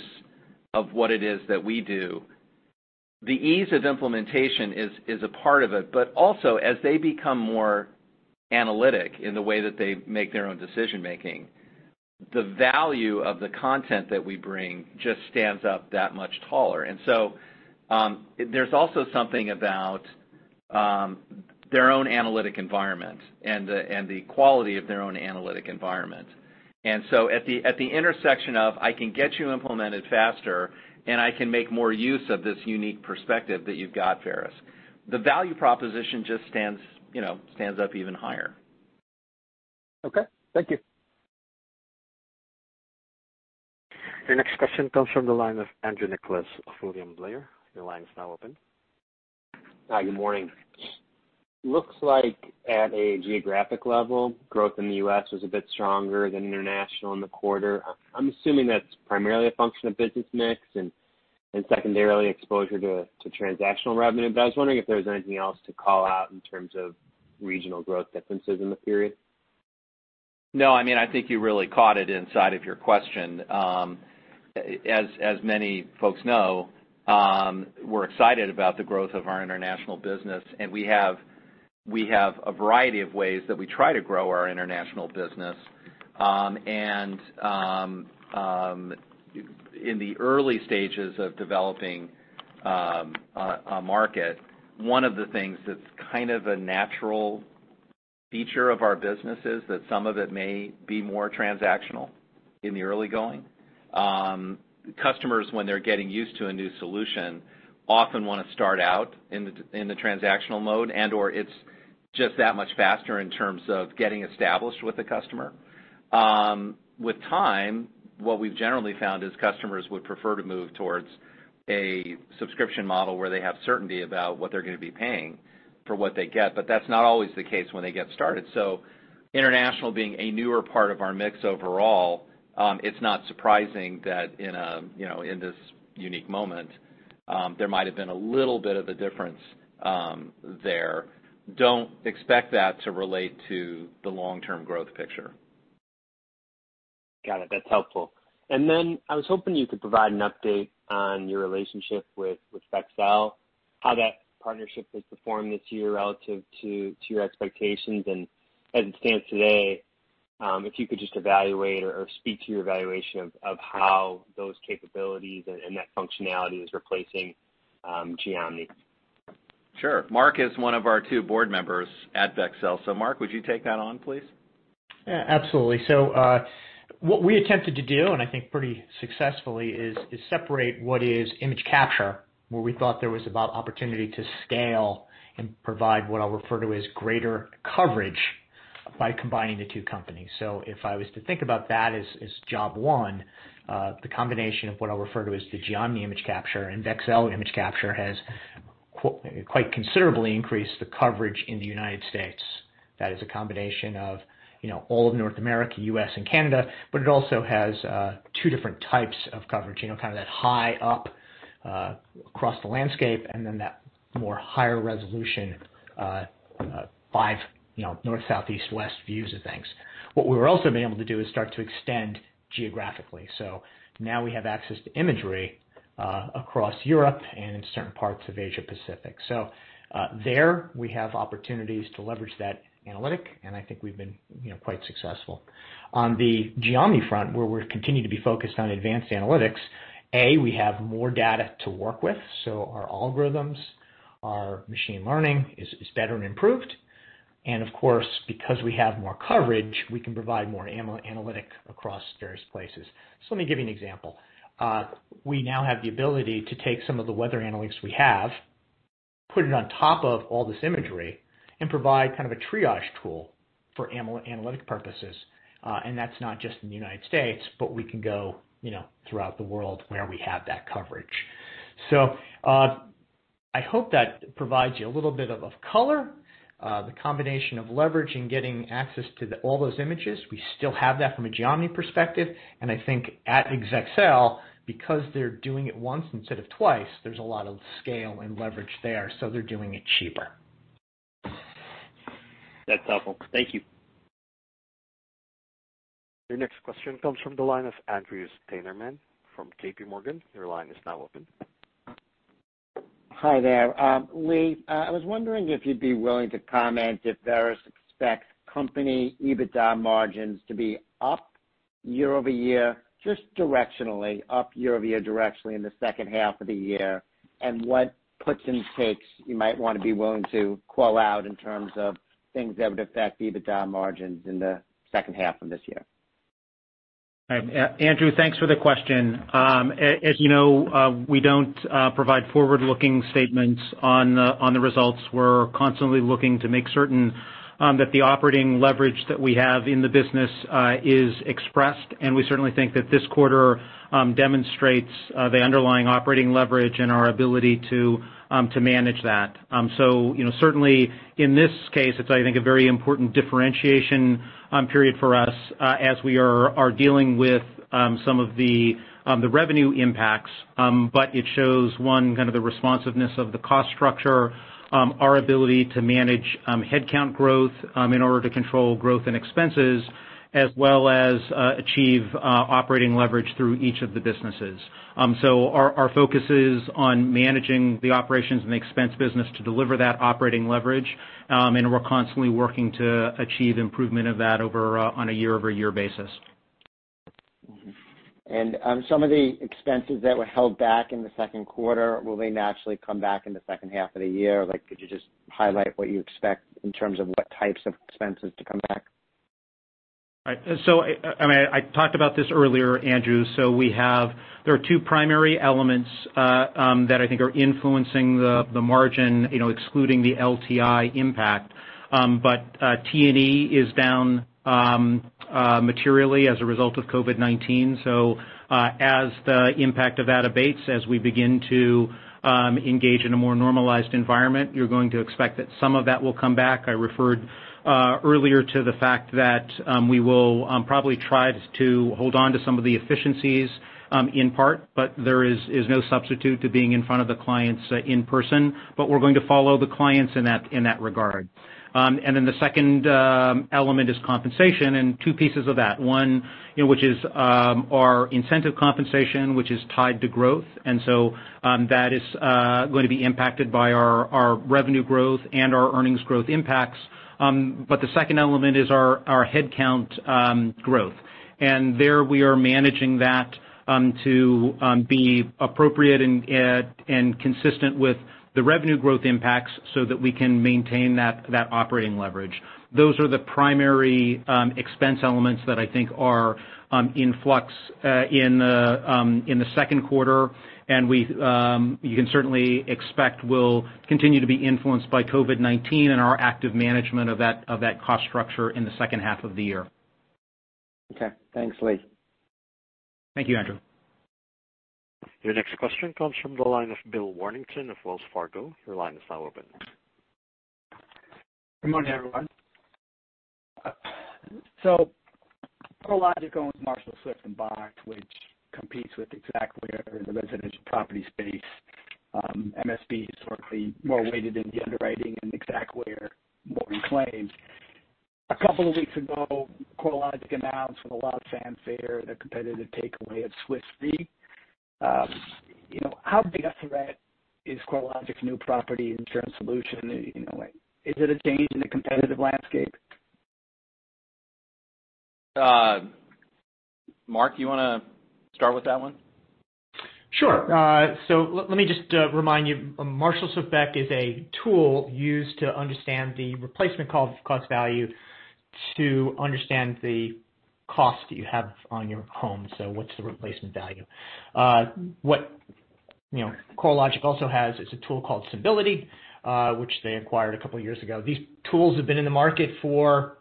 of what it is that we do, the ease of implementation is a part of it. But also, as they become more analytic in the way that they make their own decision-making, the value of the content that we bring just stands up that much taller. And so there's also something about their own analytic environment and the quality of their own analytic environment. And so at the intersection of, "I can get you implemented faster, and I can make more use of this unique perspective that you've got, Verisk," the value proposition just stands up even higher. Okay. Thank you. Your next question comes from the line of Andrew Nicholas of William Blair. Your line is now open. Hi. Good morning. Looks like at a geographic level, growth in the U.S. was a bit stronger than international in the quarter. I'm assuming that's primarily a function of business mix and secondarily exposure to transactional revenue. But I was wondering if there was anything else to call out in terms of regional growth differences in the period. No. I mean, I think you really caught it inside of your question. As many folks know, we're excited about the growth of our international business. And we have a variety of ways that we try to grow our international business. And in the early stages of developing a market, one of the things that's kind of a natural feature of our business is that some of it may be more transactional in the early going. Customers, when they're getting used to a new solution, often want to start out in the transactional mode, and/or it's just that much faster in terms of getting established with the customer. With time, what we've generally found is customers would prefer to move towards a subscription model where they have certainty about what they're going to be paying for what they get, but that's not always the case when they get started. So international being a newer part of our mix overall, it's not surprising that in this unique moment, there might have been a little bit of a difference there. Don't expect that to relate to the long-term growth picture. Got it. That's helpful. And then I was hoping you could provide an update on your relationship with Vexcel, how that partnership has performed this year relative to your expectations. And as it stands today, if you could just evaluate or speak to your evaluation of how those capabilities and that functionality is replacing Geomni. Sure. Mark is one of our two board members at Vexcel. So Mark, would you take that on, please? Absolutely. So what we attempted to do, and I think pretty successfully, is separate what is image capture, where we thought there was an opportunity to scale and provide what I'll refer to as greater coverage by combining the two companies. So if I was to think about that as job one, the combination of what I'll refer to as the Geomni image capture and Vexcel image capture has quite considerably increased the coverage in the United States. That is a combination of all of North America, U.S., and Canada, but it also has two different types of coverage, kind of that high up across the landscape and then that more higher resolution five north, south, east, west views of things. What we were also being able to do is start to extend geographically. So now we have access to imagery across Europe and in certain parts of Asia-Pacific. So there, we have opportunities to leverage that analytic, and I think we've been quite successful. On the Geomni front, where we're continuing to be focused on advanced analytics, A, we have more data to work with. So our algorithms, our machine learning is better and improved. And of course, because we have more coverage, we can provide more analytic across various places. So let me give you an example. We now have the ability to take some of the weather analytics we have, put it on top of all this imagery, and provide kind of a triage tool for analytic purposes. And that's not just in the United States, but we can go throughout the world where we have that coverage. So I hope that provides you a little bit of color, the combination of leveraging getting access to all those images. We still have that from a Geomni perspective. And I think at Vexcel, because they're doing it once instead of twice, there's a lot of scale and leverage there. So they're doing it cheaper. That's helpful. Thank you. Your next question comes from the line of Andrew Steinerman from JPMorgan. Your line is now open. Hi there. Lee, I was wondering if you'd be willing to comment if Verisk expects company EBITDA margins to be up year over year, just directionally, up year over year directionally in the second half of the year, and what puts and takes you might want to be willing to call out in terms of things that would affect EBITDA margins in the second half of this year. Andrew, thanks for the question. As you know, we don't provide forward-looking statements on the results. We're constantly looking to make certain that the operating leverage that we have in the business is expressed. And we certainly think that this quarter demonstrates the underlying operating leverage and our ability to manage that. So certainly, in this case, it's, I think, a very important differentiation period for us as we are dealing with some of the revenue impacts. But it shows one kind of the responsiveness of the cost structure, our ability to manage headcount growth in order to control growth and expenses, as well as achieve operating leverage through each of the businesses. So our focus is on managing the operations and the expense business to deliver that operating leverage. And we're constantly working to achieve improvement of that on a year-over-year basis. And some of the expenses that were held back in the second quarter, will they naturally come back in the second half of the year? Could you just highlight what you expect in terms of what types of expenses to come back? So I mean, I talked about this earlier, Andrew. So there are two primary elements that I think are influencing the margin, excluding the LTI impact. But T&E is down materially as a result of COVID-19. So as the impact of that abates, as we begin to engage in a more normalized environment, you're going to expect that some of that will come back. I referred earlier to the fact that we will probably try to hold on to some of the efficiencies in part, but there is no substitute to being in front of the clients in person. But we're going to follow the clients in that regard. And then the second element is compensation and two pieces of that, one which is our incentive compensation, which is tied to growth. And so that is going to be impacted by our revenue growth and our earnings growth impacts. But the second element is our headcount growth. And there we are managing that to be appropriate and consistent with the revenue growth impacts so that we can maintain that operating leverage. Those are the primary expense elements that I think are in flux in the second quarter. And you can certainly expect we'll continue to be influenced by COVID-19 and our active management of that cost structure in the second half of the year. Okay. Thanks, Lee. Thank you, Andrew. Your next question comes from the line of Bill Warmington of Wells Fargo. Your line is now open. Good morning, everyone. So CoreLogic owns Marshall & Swift/Boeckh, which competes with Xactware in the residential property space. MSB is historically more weighted in the underwriting and Xactware more in claims. A couple of weeks ago, CoreLogic announced with a lot of fanfare the competitive takeaway of Swiss Re. How big a threat is CoreLogic's new property insurance solution? Is it a change in the competitive landscape? Mark, you want to start with that one? Sure. Let me just remind you, Marshall & Swift/Boeckh is a tool used to understand the replacement cost value to understand the cost that you have on your home. So what's the replacement value? What CoreLogic also has is a tool called Symbility, which they acquired a couple of years ago. These tools have been in the market for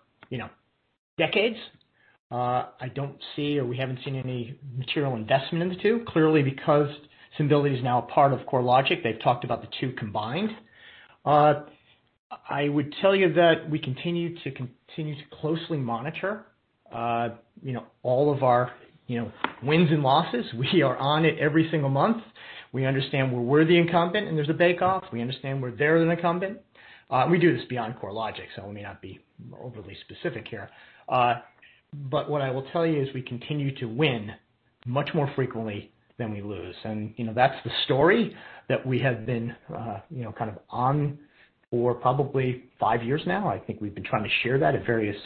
decades. I don't see or we haven't seen any material investment in the two. Clearly, because Symbility is now a part of CoreLogic, they've talked about the two combined. I would tell you that we continue to closely monitor all of our wins and losses. We are on it every single month. We understand we're worthy incumbent, and there's a bake-off. We understand we're there as an incumbent. We do this beyond CoreLogic, so we may not be overly specific here. But what I will tell you is we continue to win much more frequently than we lose. And that's the story that we have been kind of on for probably five years now. I think we've been trying to share that at various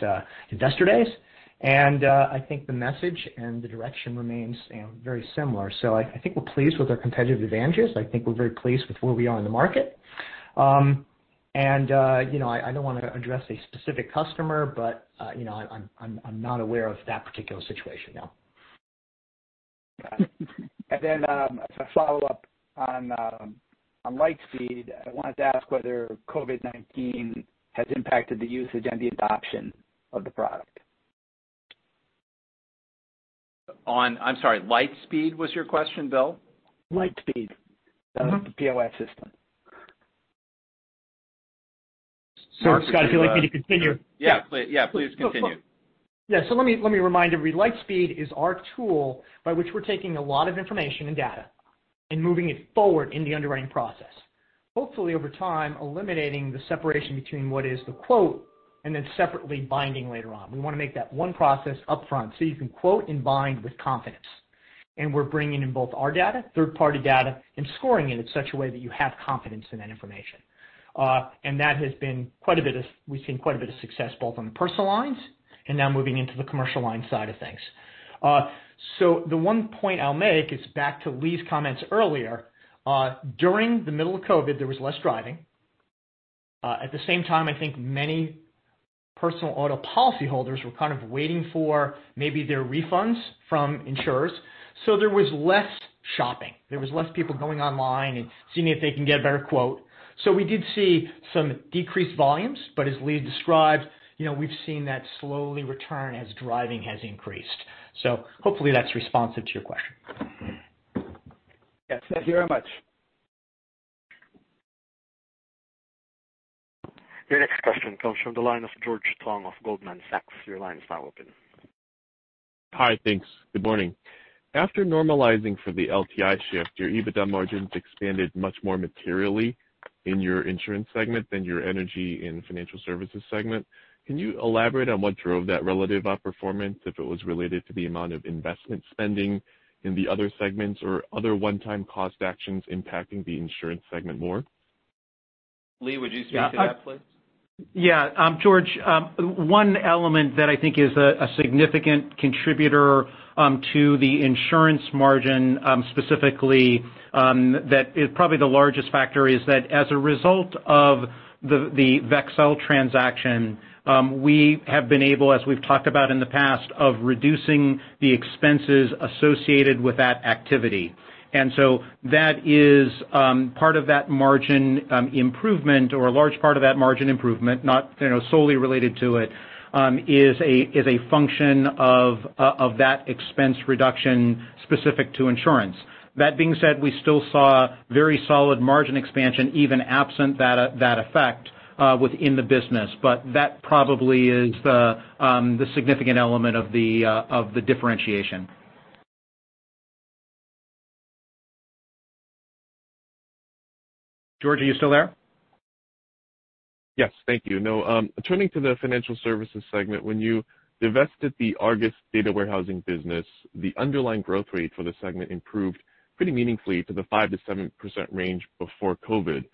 investor days. And I think the message and the direction remains very similar. So I think we're pleased with our competitive advantages. I think we're very pleased with where we are in the market. And I don't want to address a specific customer, but I'm not aware of that particular situation now. And then as a follow-up on LightSpeed, I wanted to ask whether COVID-19 has impacted the usage and the adoption of the product. I'm sorry. LightSpeed was your question, Bill? LightSpeed. The POS system. Sorry, Scott. If you'd like me to continue. Yeah. Yeah. Please continue. Yeah. So let me remind everybody. LightSpeed is our tool by which we're taking a lot of information and data and moving it forward in the underwriting process, hopefully over time eliminating the separation between what is the quote and then separately binding later on. We want to make that one process upfront so you can quote and bind with confidence. And we're bringing in both our data, third-party data, and scoring it in such a way that you have confidence in that information. And that has been. We've seen quite a bit of success both on the personal lines and now moving into the commercial line side of things. So the one point I'll make is back to Lee's comments earlier. During the middle of COVID, there was less driving. At the same time, I think many personal auto policyholders were kind of waiting for maybe their refunds from insurers. So there was less shopping. There was less people going online and seeing if they can get a better quote. So we did see some decreased volumes. But as Lee described, we've seen that slowly return as driving has increased. So hopefully that's responsive to your question. Yes. Thank you very much. Your next question comes from the line of George Tong of Goldman Sachs. Your line is now open. Hi. Thanks. Good morning. After normalizing for the LTI shift, your EBITDA margins expanded much more materially in your insurance segment than your energy and financial services segment. Can you elaborate on what drove that relative outperformance if it was related to the amount of investment spending in the other segments or other one-time cost actions impacting the insurance segment more? Lee, would you speak to that, please? Yeah. George, one element that I think is a significant contributor to the insurance margin, specifically that is probably the largest factor, is that as a result of the Vexcel transaction, we have been able, as we've talked about in the past, to reduce the expenses associated with that activity. And so that is part of that margin improvement, or a large part of that margin improvement, not solely related to it, is a function of that expense reduction specific to insurance. That being said, we still saw very solid margin expansion, even absent that effect, within the business. But that probably is the significant element of the differentiation. George, are you still there? Yes. Thank you. Now, turning to the financial services segment, when you divested the Argus data warehousing business, the underlying growth rate for the segment improved pretty meaningfully to the 5%-7% range before COVID.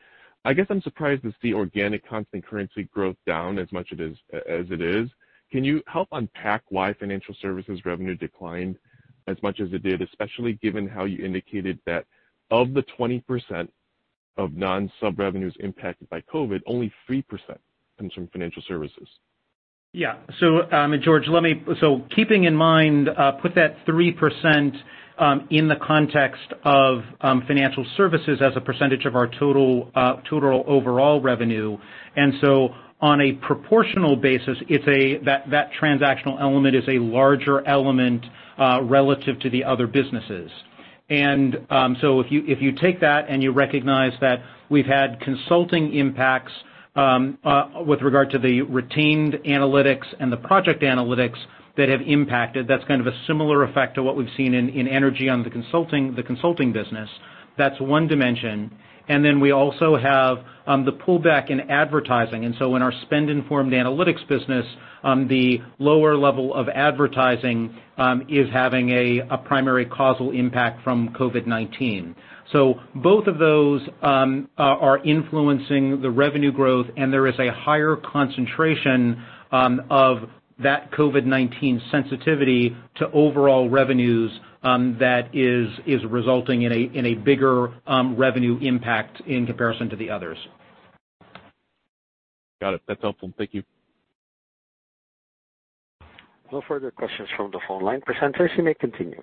I guess I'm surprised to see organic constant currency growth down as much as it is. Can you help unpack why financial services revenue declined as much as it did, especially given how you indicated that of the 20% of non-sub revenues impacted by COVID, only 3% comes from financial services? Yeah. So, George, so keeping in mind, put that 3% in the context of financial services as a percentage of our total overall revenue. And so on a proportional basis, that transactional element is a larger element relative to the other businesses. And so if you take that and you recognize that we've had consulting impacts with regard to the retained analytics and the project analytics that have impacted, that's kind of a similar effect to what we've seen in energy on the consulting business. That's one dimension. And then we also have the pullback in advertising. And so in our spend-informed analytics business, the lower level of advertising is having a primary causal impact from COVID-19. So both of those are influencing the revenue growth, and there is a higher concentration of that COVID-19 sensitivity to overall revenues that is resulting in a bigger revenue impact in comparison to the others. Got it. That's helpful. Thank you. No further questions from the phone line. Presenters, you may continue.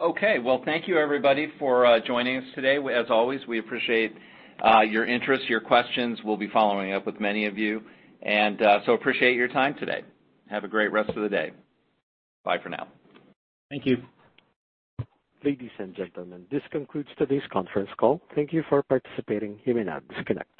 Okay. Well, thank you, everybody, for joining us today. As always, we appreciate your interest, your questions. We'll be following up with many of you. And so appreciate your time today. Have a great rest of the day. Bye for now. Thank you. Ladies and gentlemen, this concludes today's conference call. Thank you for participating. You may now disconnect.